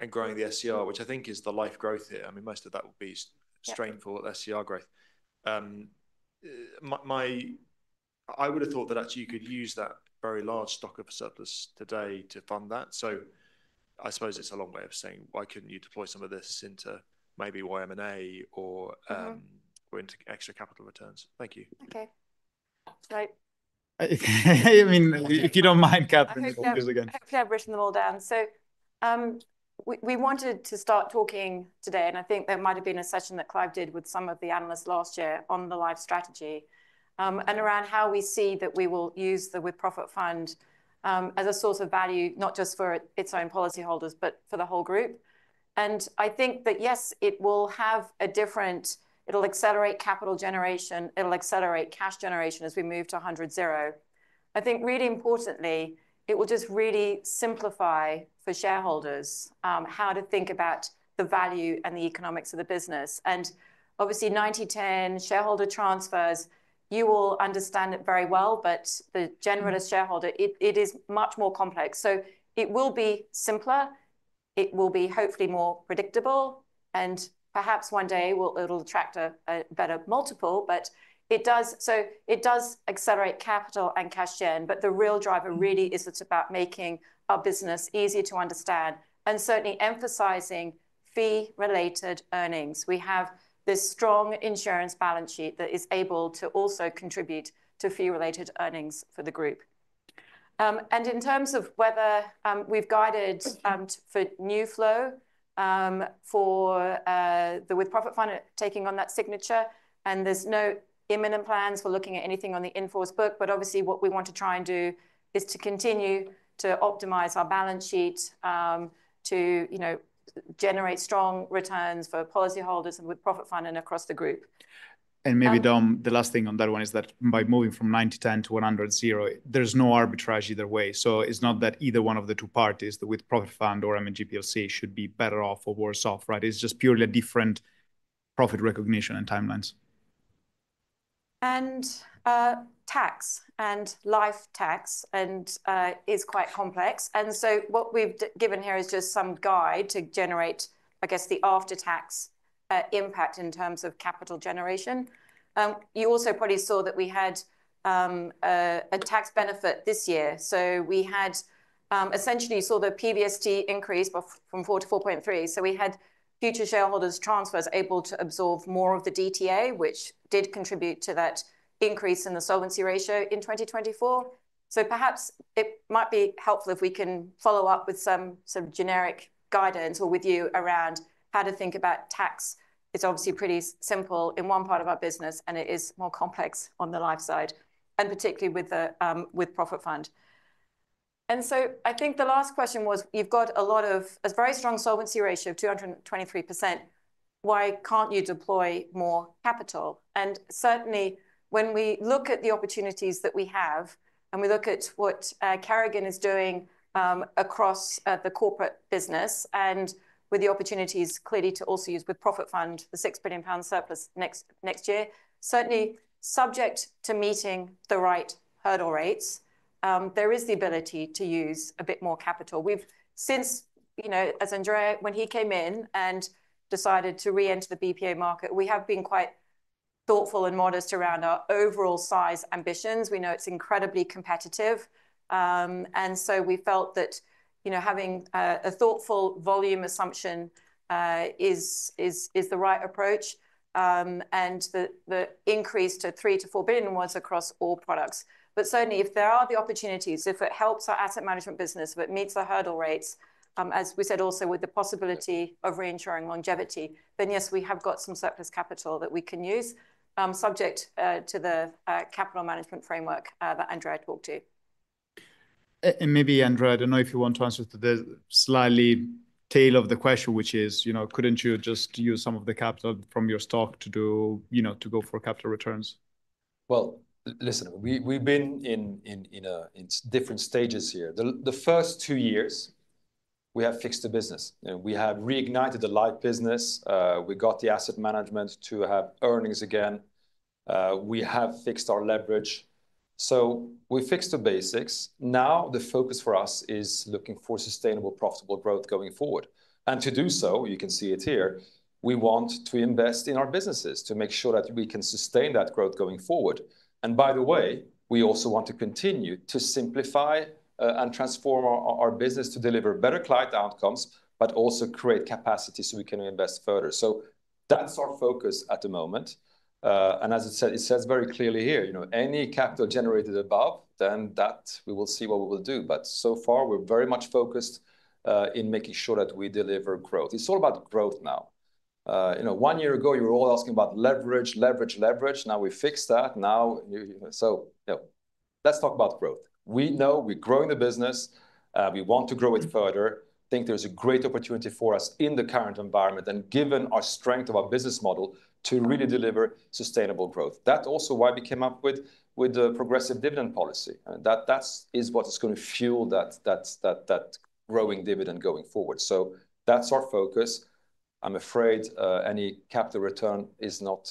and growing the SCR, which I think is the Life growth here, I mean, most of that would be strained for SCR growth. I would have thought that actually you could use that very large stock of surplus today to fund that. I suppose it's a long way of saying, why couldn't you deploy some of this into maybe M&A or into extra capital returns? Thank you. Okay. Great. If you do not mind, Kathryn, we'll go again. I've just written them all down. We wanted to start talking today, and I think there might have been a session that Clive did with some of the analysts last year on the Life strategy and around how we see that we will use the With-Profits Fund as a source of value, not just for its own policyholders, but for the whole group. I think that, yes, it will have a different, it'll accelerate capital generation, it'll accelerate cash generation as we move 100:0. I think really importantly, it will just really simplify for shareholders how to think about the value and the economics of the business. Obviously, 90/10 shareholder transfers, you all understand it very well, but the generalist shareholder, it is much more complex. It will be simpler, it will be hopefully more predictable, and perhaps one day it'll attract a better multiple. It does accelerate capital and cash sharing, but the real driver really is it's about making our business easy to understand and certainly emphasizing fee-related earnings. We have this strong insurance balance sheet that is able to also contribute to fee-related earnings for the group. In terms of whether we've guided for new flow for the With-Profits Fund taking on that signature, there's no imminent plans for looking at anything on the in-force book, but obviously what we want to try and do is to continue to optimize our balance sheet to, you know, generate strong returns for policyholders and With-Profits Fund and across the group. Maybe, Dom, the last thing on that one is that by moving from 90/10 100:0, there's no arbitrage either way. It is not that either one of the two parties, the With-Profits Fund or M&G, should be better off or worse off, right? It is just purely a different profit recognition and timelines. Tax and Life tax is quite complex. What we have given here is just some guide to generate, I guess, the after-tax impact in terms of capital generation. You also probably saw that we had a tax benefit this year. We essentially saw the PVST increase from 4 to 4.3. We had future shareholders' transfers able to absorb more of the DTA, which did contribute to that increase in the solvency ratio in 2024. Perhaps it might be helpful if we can follow up with some sort of generic guidance or with you around how to think about tax. It's obviously pretty simple in one part of our business, and it is more complex on the Life side, and particularly with the With-Profits Fund. I think the last question was, you've got a very strong solvency ratio of 223%. Why can't you deploy more capital? Certainly, when we look at the opportunities that we have and we look at what Kerrigan is doing across the corporate business and with the opportunities clearly to also use With-Profits Fund, the 6 billion pound surplus next year, certainly subject to meeting the right hurdle rates, there is the ability to use a bit more capital. We've since, you know, as Andrea, when he came in and decided to re-enter the BPA market, we have been quite thoughtful and modest around our overall size ambitions. We know it's incredibly competitive. We felt that, you know, having a thoughtful volume assumption is the right approach. The increase to 3 billion-4 billion was across all products. Certainly, if there are the opportunities, if it helps our Asset Management business, if it meets the hurdle rates, as we said also with the possibility of reinsuring longevity, then yes, we have got some surplus capital that we can use subject to the capital management framework that Andrea talked to. Maybe, Andrea, I do not know if you want to answer the slightly tail of the question, which is, you know, could not you just use some of the capital from your stock to do, you know, to go for capital returns? Listen, we have been in different stages here. The first two years, we have fixed the business. We have reignited the Life business. We got the Asset Management to have earnings again. We have fixed our leverage. We fixed the basics. Now, the focus for us is looking for sustainable, profitable growth going forward. To do so, you can see it here, we want to invest in our businesses to make sure that we can sustain that growth going forward. By the way, we also want to continue to simplify and transform our business to deliver better client outcomes, but also create capacity so we can invest further. That is our focus at the moment. As it says very clearly here, you know, any capital generated above, then that we will see what we will do. So far, we are very much focused in making sure that we deliver growth. It is all about growth now. You know, one year ago, you were all asking about leverage, leverage, leverage. Now we fixed that. Now, you know, let's talk about growth. We know we're growing the business. We want to grow it further. I think there's a great opportunity for us in the current environment and given our strength of our business model to really deliver sustainable growth. That's also why we came up with the progressive dividend policy. That is what is going to fuel that growing dividend going forward. That's our focus. I'm afraid any capital return is not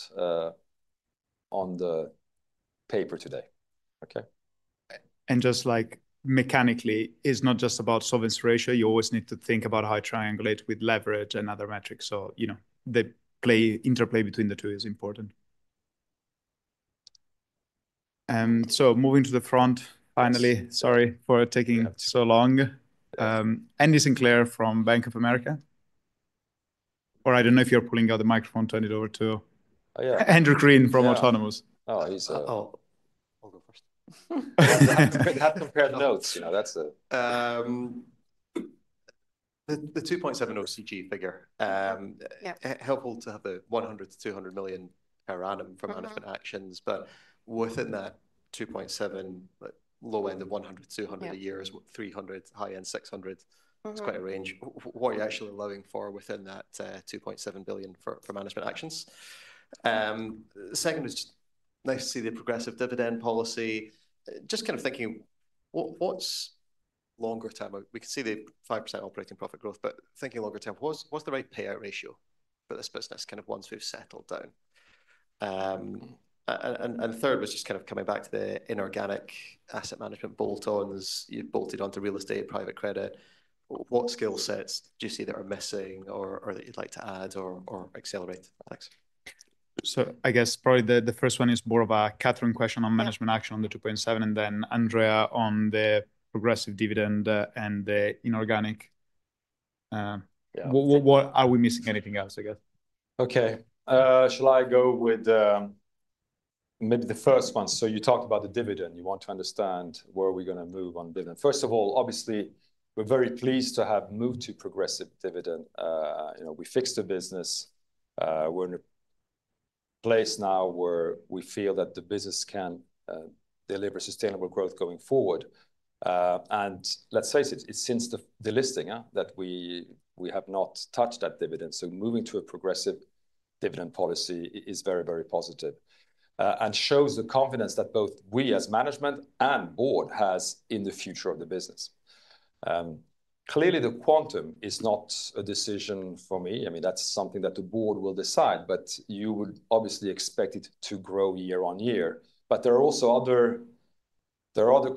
on the paper today. Okay. Just like mechanically, it's not just about solvency ratio. You always need to think about how to triangulate with leverage and other metrics. You know, the interplay between the two is important. Moving to the front, finally, sorry for taking so long. Andy Sinclair from Bank of America. I do not know if you are pulling out the microphone, turn it over to Andrew Crean from Autonomous. Oh, he is a... Oh, I will go first. I have to compare the notes, you know, that is the... The 2.7 OCG figure, helpful to have the 100 million-200 million per annum for management actions, but within that 2.7, low end of 100-200 a year, 300, high end 600, it is quite a range. What are you actually allowing for within that 2.7 billion for management actions? Second, it is nice to see the progressive dividend policy. Just kind of thinking, what is longer term? We can see the 5% operating profit growth, but thinking longer term, what is the right payout ratio for this business, kind of once we have settled down? Third was just kind of coming back to the inorganic Asset Management bolt-ons. You bolted onto real estate, private credit. What skill sets do you see that are missing or that you'd like to add or accelerate? Thanks. I guess probably the first one is more of a Kathryn question on management action on the 2.7 billion and then Andrea on the progressive dividend and the inorganic. What are we missing? Anything else, I guess? Okay, shall I go with maybe the first one? You talked about the dividend. You want to understand where are we going to move on dividend? First of all, obviously, we're very pleased to have moved to progressive dividend. You know, we fixed the business. We're in a place now where we feel that the business can deliver sustainable growth going forward. Let's face it, since the listing we have not touched that dividend, so moving to a progressive dividend policy is very, very positive and shows the confidence that both we as management and board have in the future of the business. Clearly, the quantum is not a decision for me. I mean, that's something that the board will decide, but you would obviously expect it to grow year on year. There are also other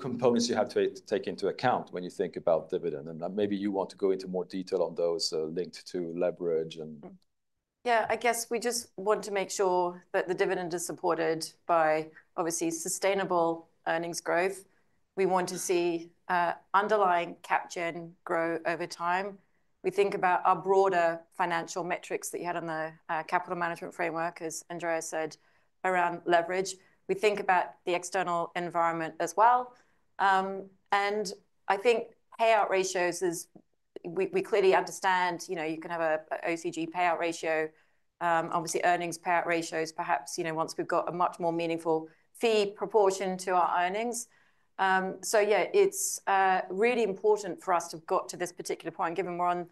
components you have to take into account when you think about dividend. Maybe you want to go into more detail on those linked to leverage. Yeah, I guess we just want to make sure that the dividend is supported by obviously sustainable earnings growth. We want to see underlying cap gain grow over time. We think about our broader financial metrics that you had on the capital management framework, as Andrea said, around leverage. We think about the external environment as well. I think payout ratios is we clearly understand, you know, you can have an OCG payout ratio, obviously earnings payout ratios, perhaps, you know, once we've got a much more meaningful fee proportion to our earnings. Yeah, it's really important for us to have got to this particular point, given we're on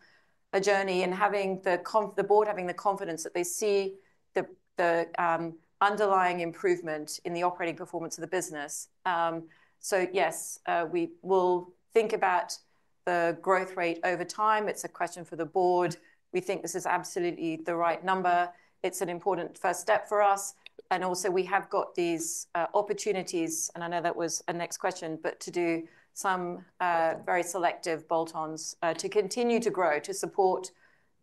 a journey and having the board having the confidence that they see the underlying improvement in the operating performance of the business. Yes, we will think about the growth rate over time. It's a question for the board. We think this is absolutely the right number. It's an important first step for us. We have got these opportunities, and I know that was a next question, to do some very selective bolt-ons to continue to grow, to support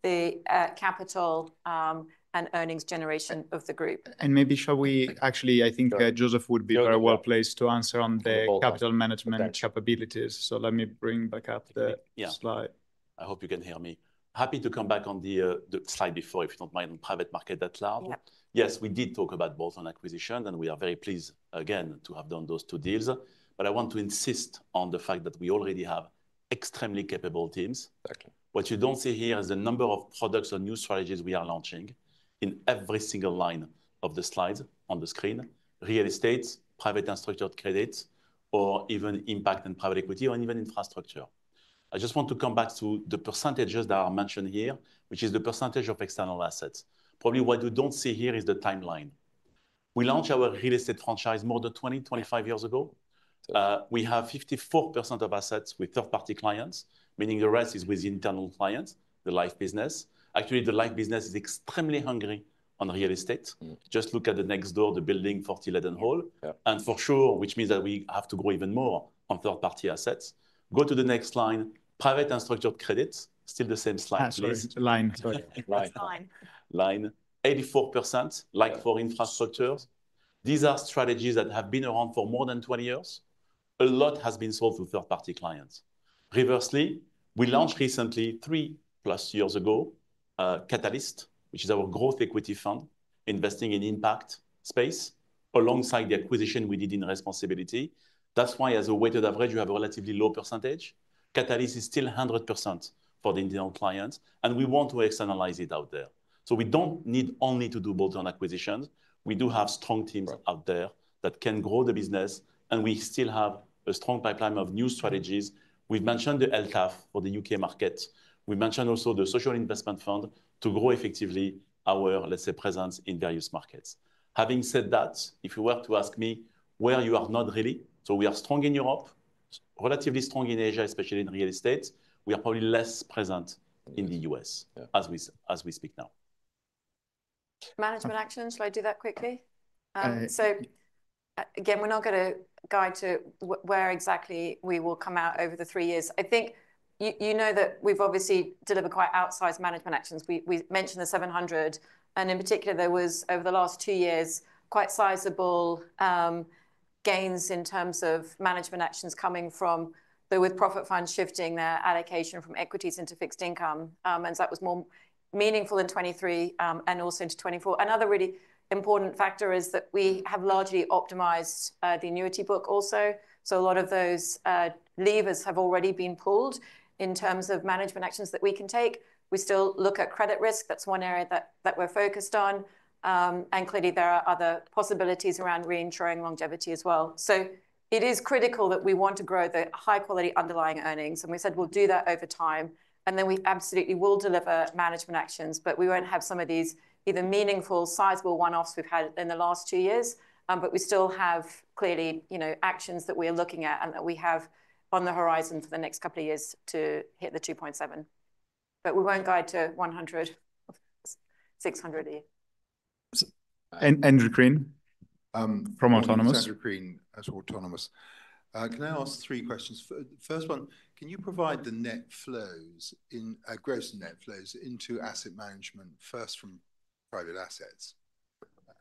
the capital and earnings generation of the group. Maybe, I think Joseph would be very well placed to answer on the capital management capabilities. Let me bring back up the slide. I hope you can hear me. Happy to come back on the slide before, if you do not mind, on private market at large. Yes, we did talk about bolt-on acquisition, and we are very pleased again to have done those two deals. I want to insist on the fact that we already have extremely capable teams. What you don't see here is the number of products or new strategies we are launching in every single line of the slides on the screen, real estate, private structured credits, or even impact and private equity, or even infrastructure. I just want to come back to the percentages that are mentioned here, which is the percentage of external assets. Probably what you don't see here is the timeline. We launched our real estate franchise more than 20-25 years ago. We have 54% of assets with third-party clients, meaning the rest is with the internal clients, the Life business. Actually, the Life business is extremely hungry on real estate. Just look at the next door, the building 40 Leadenhall. For sure, which means that we have to grow even more on third-party assets. Go to the next line, private structured credits, still the same slide, please. That's the line. That's the line. Line, 84%, like for infrastructures. These are strategies that have been around for more than 20 years. A lot has been sold to third-party clients. Reversely, we launched recently, three plus years ago, Catalyst, which is our growth equity fund, investing in impact space alongside the acquisition we did in responsAbility. That's why, as a weighted average, you have a relatively low percentage. Catalyst is still 100% for the internal clients, and we want to externalize it out there. We do not need only to do bolt-on acquisitions. We do have strong teams out there that can grow the business, and we still have a strong pipeline of new strategies. We have mentioned the LTAF for the U.K. market. We mentioned also the social investment fund to grow effectively our, let's say, presence in various markets. Having said that, if you were to ask me where you are not really, we are strong in Europe, relatively strong in Asia, especially in real estate. We are probably less present in the U.S. as we speak now. Management actions, shall I do that quickly? Again, we're not going to guide to where exactly we will come out over the three years. I think you know that we've obviously delivered quite outsized management actions. We mentioned the 700, and in particular, there was over the last two years quite sizable gains in terms of management actions coming from the With-Profits Fund shifting their allocation from equities into fixed income. That was more meaningful in 2023 and also into 2024. Another really important factor is that we have largely optimized the annuity book also. A lot of those levers have already been pulled in terms of management actions that we can take. We still look at credit risk. That is one area that we are focused on. Clearly, there are other possibilities around reinsuring longevity as well. It is critical that we want to grow the high-quality underlying earnings. We said we will do that over time. We absolutely will deliver management actions, but we will not have some of these either meaningful, sizable one-offs we have had in the last two years. We still have, clearly, you know, actions that we are looking at and that we have on the horizon for the next couple of years to hit the 2.7. We will not guide to 100, 600 a year. Andrew Crean from Autonomous. Andrew Crean at Autonomous. Can I ask three questions? First one, can you provide the net flows and gross net flows into Asset Management, first from private assets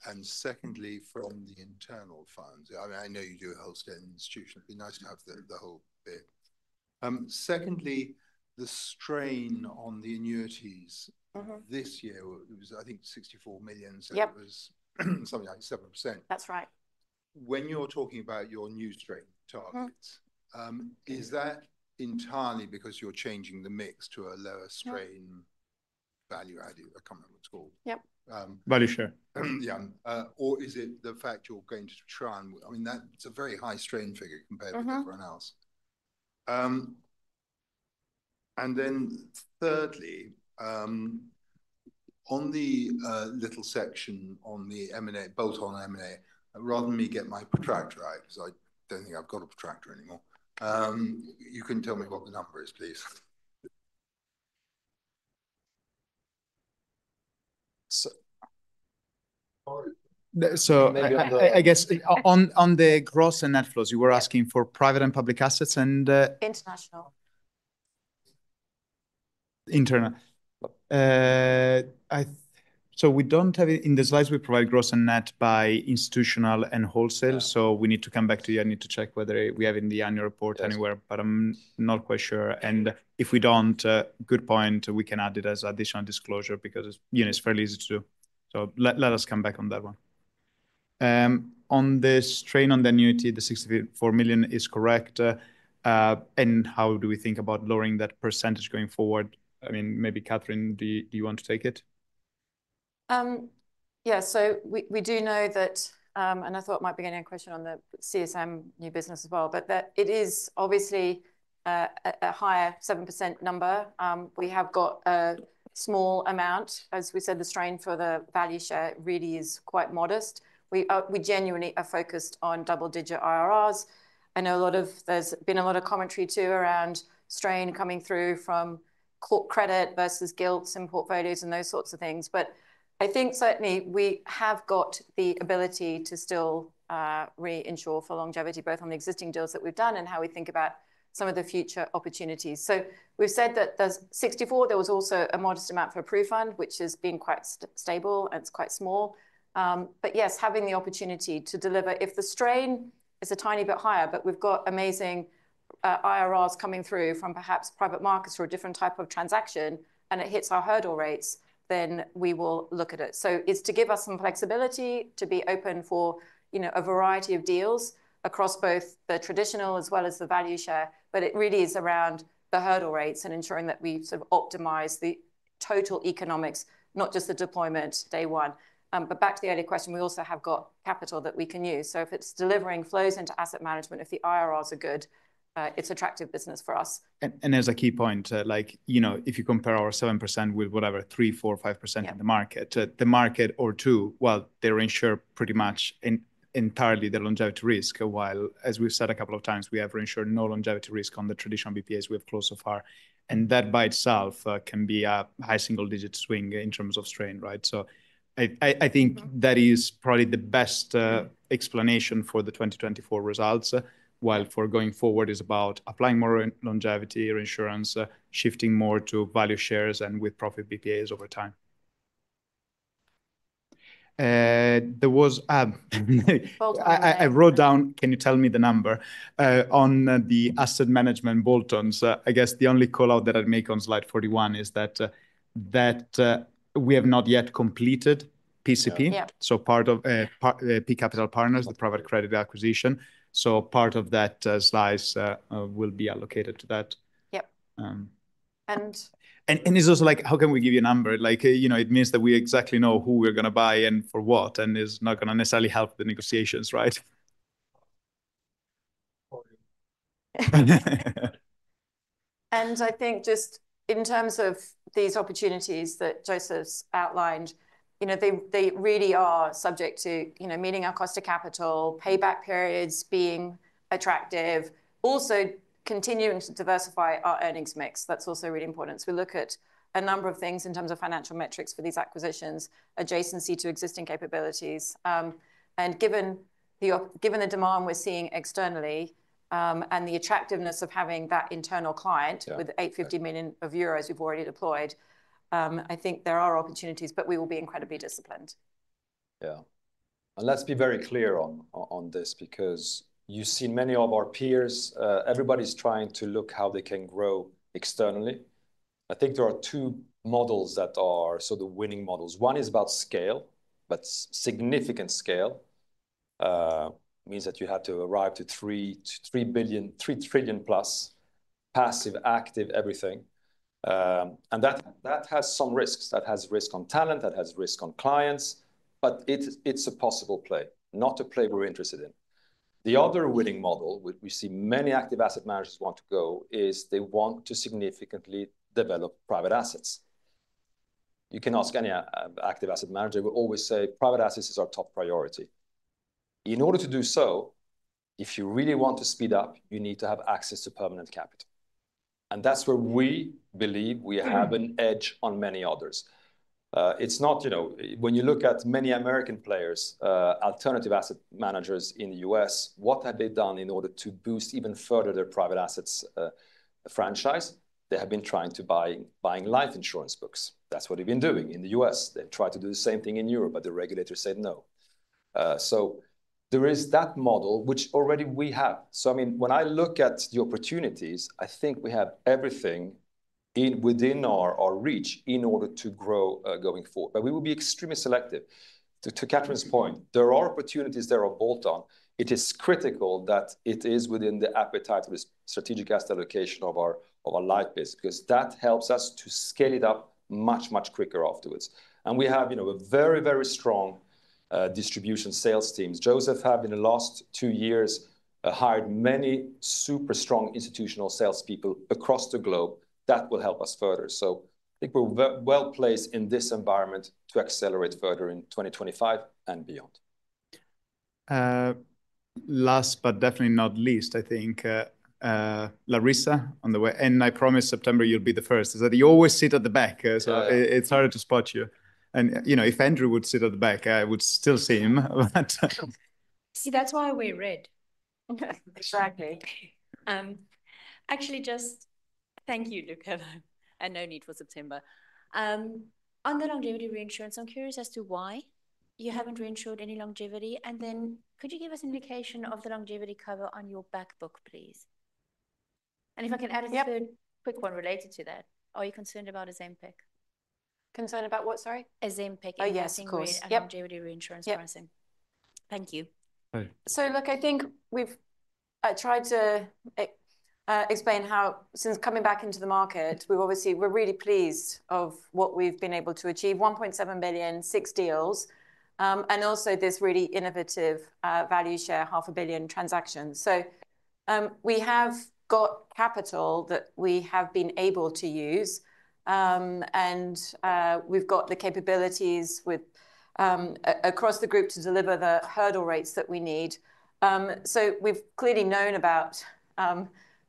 and secondly from the internal funds? I mean, I know you do a Wholesale and Institutional. It'd be nice to have the whole bit. Secondly, the strain on the annuities this year was, I think, 64 million. So it was something like 7%. That's right. When you're talking about your new strain targets, is that entirely because you're changing the mix to a lower strain value added? I can't remember what it's called. Yep. Value share. Yeah. Or is it the fact you're going to try and, I mean, that's a very high strain figure compared with everyone else. Thirdly, on the little section on the M&A, bolt-on M&A, rather than me get my protractor, right? I don't think I've got a protractor anymore. You can tell me what the number is, please. I guess on the gross and net flows, you were asking for private and public assets and international. Internal. We do not have it in the slides. We provide gross and net by Institutional and Wholesale. We need to come back to you. I need to check whether we have it in the annual report anywhere, but I am not quite sure. If we do not, good point, we can add it as additional disclosure because it is fairly easy to do. Let us come back on that one. On the strain on the annuity, the 64 million is correct. How do we think about lowering that percentage going forward? I mean, maybe Kathryn, do you want to take it? Yeah, so we do know that, and I thought it might be getting a question on the CSM new business as well, but that it is obviously a higher 7% number. We have got a small amount. As we said, the strain for the value share really is quite modest. We genuinely are focused on double-digit IRRs. I know a lot of there's been a lot of commentary too around strain coming through from core credit versus gilts and portfolios and those sorts of things. I think certainly we have got the ability to still reinsure for longevity, both on the existing deals that we've done and how we think about some of the future opportunities. We've said that there's 64, there was also a modest amount for a PruFund, which has been quite stable and it's quite small. Yes, having the opportunity to deliver, if the strain is a tiny bit higher, but we've got amazing IRRs coming through from perhaps private markets for a different type of transaction and it hits our hurdle rates, then we will look at it. It is to give us some flexibility to be open for, you know, a variety of deals across both the traditional as well as the value share. It really is around the hurdle rates and ensuring that we sort of optimize the total economics, not just the deployment day one. Back to the earlier question, we also have got capital that we can use. If it's delivering flows into Asset Management, if the IRRs are good, it's attractive business for us. As a key point, like, you know, if you compare our 7% with whatever, 3%-4%-5% in the market, the market or two, they reinsure pretty much entirely the longevity risk, while as we've said a couple of times, we have reinsured no longevity risk on the traditional BPAs we have closed so far. That by itself can be a high single-digit swing in terms of strain, right? I think that is probably the best explanation for the 2024 results, while for going forward it is about applying more longevity or insurance, shifting more to value shares and with profit BPAs over time. There was, I wrote down, can you tell me the number on the Asset Management bolt-ons? I guess the only call out that I'd make on slide 41 is that we have not yet completed PCP. Part of P Capital Partners, the private credit acquisition, part of that slice will be allocated to that. Yep. It is also like, how can we give you a number? Like, you know, it means that we exactly know who we're going to buy and for what, and it's not going to necessarily help the negotiations, right? I think just in terms of these opportunities that Joseph outlined, you know, they really are subject to, you know, meeting our cost of capital, payback periods being attractive, also continuing to diversify our earnings mix. That's also really important. We look at a number of things in terms of financial metrics for these acquisitions, adjacency to existing capabilities. Given the demand we're seeing externally and the attractiveness of having that internal client with 850 million euros we've already deployed, I think there are opportunities, but we will be incredibly disciplined. Yeah. Let's be very clear on this because you've seen many of our peers, everybody's trying to look how they can grow externally. I think there are two models that are sort of winning models. One is about scale, but significant scale means that you have to arrive to 3 billion-3 trillion plus passive, active, everything. That has some risks. That has risk on talent, that has risk on clients, but it's a possible play, not a play we're interested in. The other winning model we see many active asset managers want to go is they want to significantly develop private assets. You can ask any active asset manager, we'll always say private assets is our top priority. In order to do so, if you really want to speed up, you need to have access to permanent capital. That's where we believe we have an edge on many others. It's not, you know, when you look at many American players, alternative asset managers in the U.S., what have they done in order to boost even further their private assets franchise? They have been trying to buy Life insurance books. That's what they've been doing in the U.S. They tried to do the same thing in Europe, but the regulators said no. There is that model which already we have. I mean, when I look at the opportunities, I think we have everything within our reach in order to grow going forward. We will be extremely selective. To Kathryn's point, there are opportunities, there are bolt-on. It is critical that it is within the appetite for the strategic asset allocation of our Life business because that helps us to scale it up much, much quicker afterwards. We have, you know, a very, very strong distribution sales team. Joseph has, in the last two years, hired many super strong institutional salespeople across the globe that will help us further. I think we're well placed in this environment to accelerate further in 2025 and beyond. Last, but definitely not least, I think, Larissa on the way, and I promise September you'll be the first. You always sit at the back. It's harder to spot you. You know, if Andrew would sit at the back, I would still see him. See, that's why we're red. Exactly. Actually, just thank you, Luca. I know need for September. On the longevity reinsurance, I'm curious as to why you haven't reinsured any longevity. Could you give us an indication of the longevity cover on your back book, please? If I can add a quick one related to that, are you concerned about Ozempic? Concerned about what, sorry? Ozempic in the same way as longevity reinsurance for Ozempic. Thank you. I think we've tried to explain how, since coming back into the market, we've obviously, we're really pleased with what we've been able to achieve, 1.7 billion, six deals, and also this really innovative value share, 500 million transactions. We have got capital that we have been able to use, and we've got the capabilities across the group to deliver the hurdle rates that we need. We've clearly known about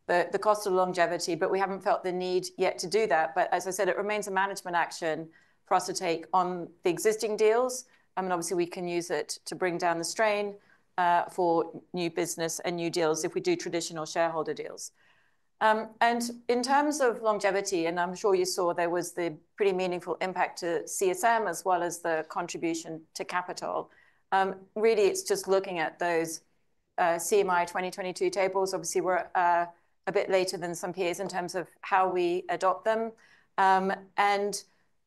the cost of longevity, but we haven't felt the need yet to do that. As I said, it remains a management action for us to take on the existing deals. I mean, obviously we can use it to bring down the strain for new business and new deals if we do traditional shareholder deals. In terms of longevity, and I'm sure you saw there was the pretty meaningful impact to CSM as well as the contribution to capital. Really, it's just looking at those CMI 2022 tables. Obviously, we're a bit later than some peers in terms of how we adopt them.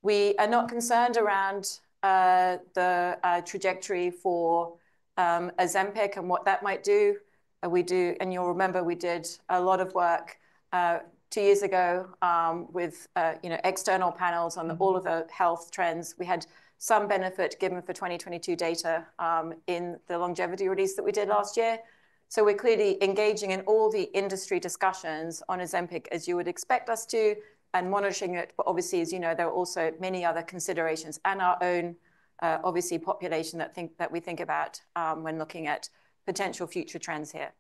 We are not concerned around the trajectory for Ozempic and what that might do. You'll remember we did a lot of work two years ago with, you know, external panels on all of the health trends. We had some benefit given for 2022 data in the longevity release that we did last year. We are clearly engaging in all the industry discussions on Ozempic, as you would expect us to, and monitoring it. Obviously, as you know, there are also many other considerations and our own, obviously, population that we think about when looking at potential future trends here.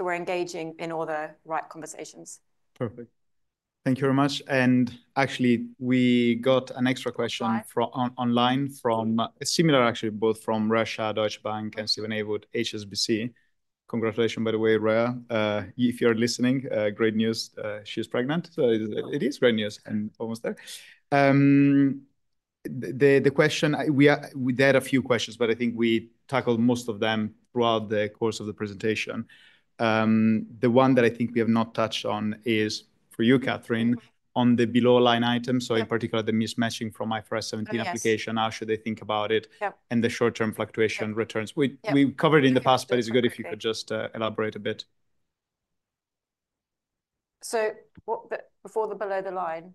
We are engaging in all the right conversations. Perfect. Thank you very much. Actually, we got an extra question online from a similar, actually, both from Rhea Shah, Deutsche Bank, and Steven Haywood, HSBC. Congratulations, by the way, Rhea. If you are listening, great news. She is pregnant. It is great news and almost there. The question, we had a few questions, but I think we tackled most of them throughout the course of the presentation. The one that I think we have not touched on is for you, Kathryn, on the below line items. In particular, the mismatching from IFRS 17 application, how should they think about it, and the short-term fluctuation returns. We've covered it in the past, but it's good if you could just elaborate a bit. What the before the below the line?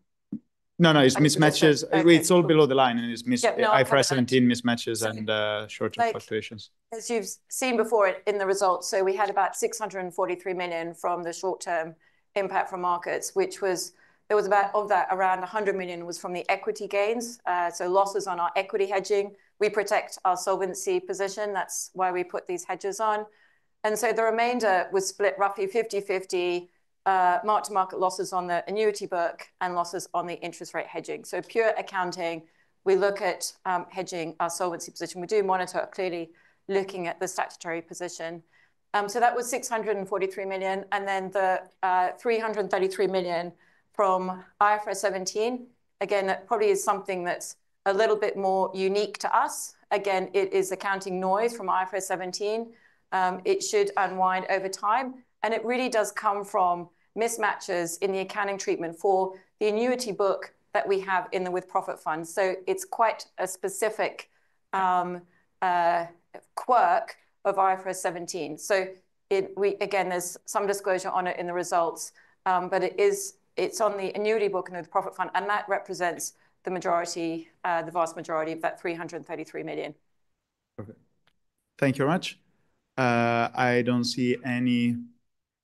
No, no, it's mismatches. It's all below the line and it's IFRS 17 mismatches and short-term fluctuations. As you've seen before in the results, we had about 643 million from the short-term impact from markets, which was, there was about of that around 100 million was from the equity gains. Losses on our equity hedging. We protect our solvency position. That's why we put these hedges on. The remainder was split roughly 50/50, marked to market losses on the annuity book and losses on the interest rate hedging. Pure accounting, we look at hedging our solvency position. We do monitor clearly looking at the statutory position. That was 643 million. The 333 million from IFRS 17, again, that probably is something that's a little bit more unique to us. It is accounting noise from IFRS 17. It should unwind over time. It really does come from mismatches in the accounting treatment for the annuity book that we have in the With-Profits Funds. It is quite a specific quirk of IFRS 17. There is some disclosure on it in the results, but it is on the annuity book and the With-Profit Fund, and that represents the majority, the vast majority of that 333 million. Perfect. Thank you very much. I do not see any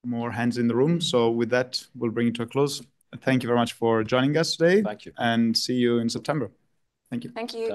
more hands in the room. With that, we will bring it to a close. Thank you very much for joining us today. Thank you. See you in September. Thank you. Thank you.